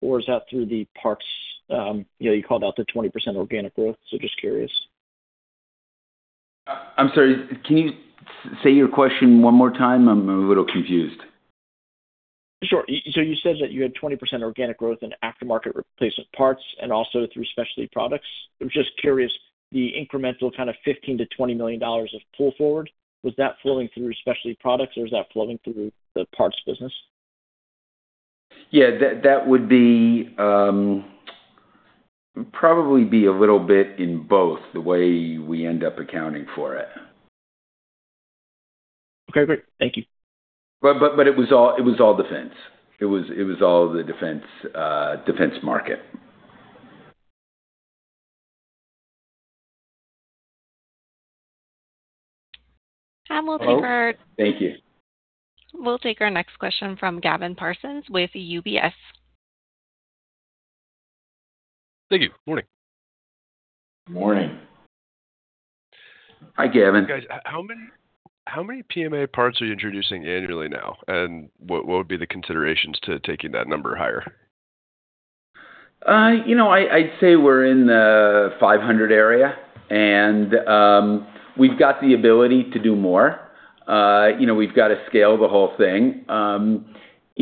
or is that through the parts? You called out the 20% organic growth. Just curious. I'm sorry, can you say your question one more time? I'm a little confused. Sure. You said that you had 20% organic growth in aftermarket replacement parts and also through specialty products. I'm just curious, the incremental kind of $15 million-$20 million of pull forward, was that flowing through specialty products or was that flowing through the parts business? Yeah, that would probably be a little bit in both, the way we end up accounting for it. Okay, great. Thank you. It was all defense. It was all the defense market. We'll take. Thank you. We'll take our next question from Gavin Parsons with UBS. Thank you. Morning. Morning. Hi, Gavin. Guys, how many PMA parts are you introducing annually now? What would be the considerations to taking that number higher? I'd say we're in the 500 area, and we've got the ability to do more. We've got to scale the whole thing.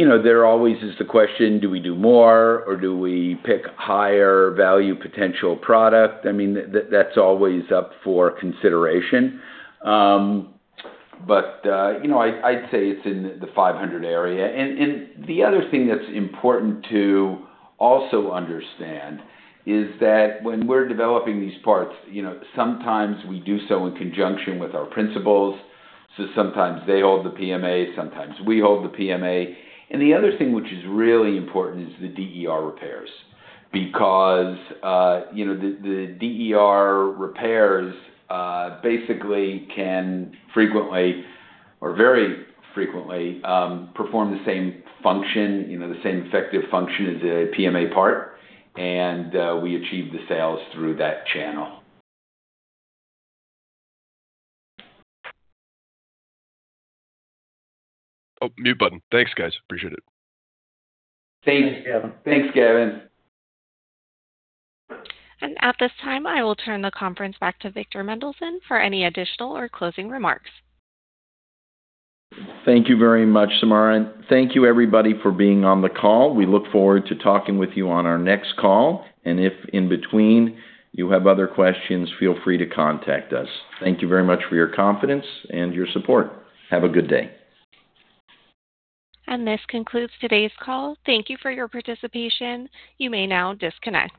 There always is the question, do we do more or do we pick higher value potential product? That's always up for consideration. I'd say it's in the 500 area. The other thing that's important to also understand is that when we're developing these parts, sometimes we do so in conjunction with our principals. Sometimes they hold the PMA, sometimes we hold the PMA. The other thing which is really important is the DER repairs, because the DER repairs basically can frequently, or very frequently, perform the same function, the same effective function as a PMA part. We achieve the sales through that channel. Oh, mute button. Thanks, guys. Appreciate it. Thanks. Thanks, Gavin. Thanks, Gavin. At this time, I will turn the conference back to Victor Mendelson for any additional or closing remarks. Thank you very much, Samara. Thank you, everybody, for being on the call. We look forward to talking with you on our next call. If in between you have other questions, feel free to contact us. Thank you very much for your confidence and your support. Have a good day. This concludes today's call. Thank you for your participation. You may now disconnect.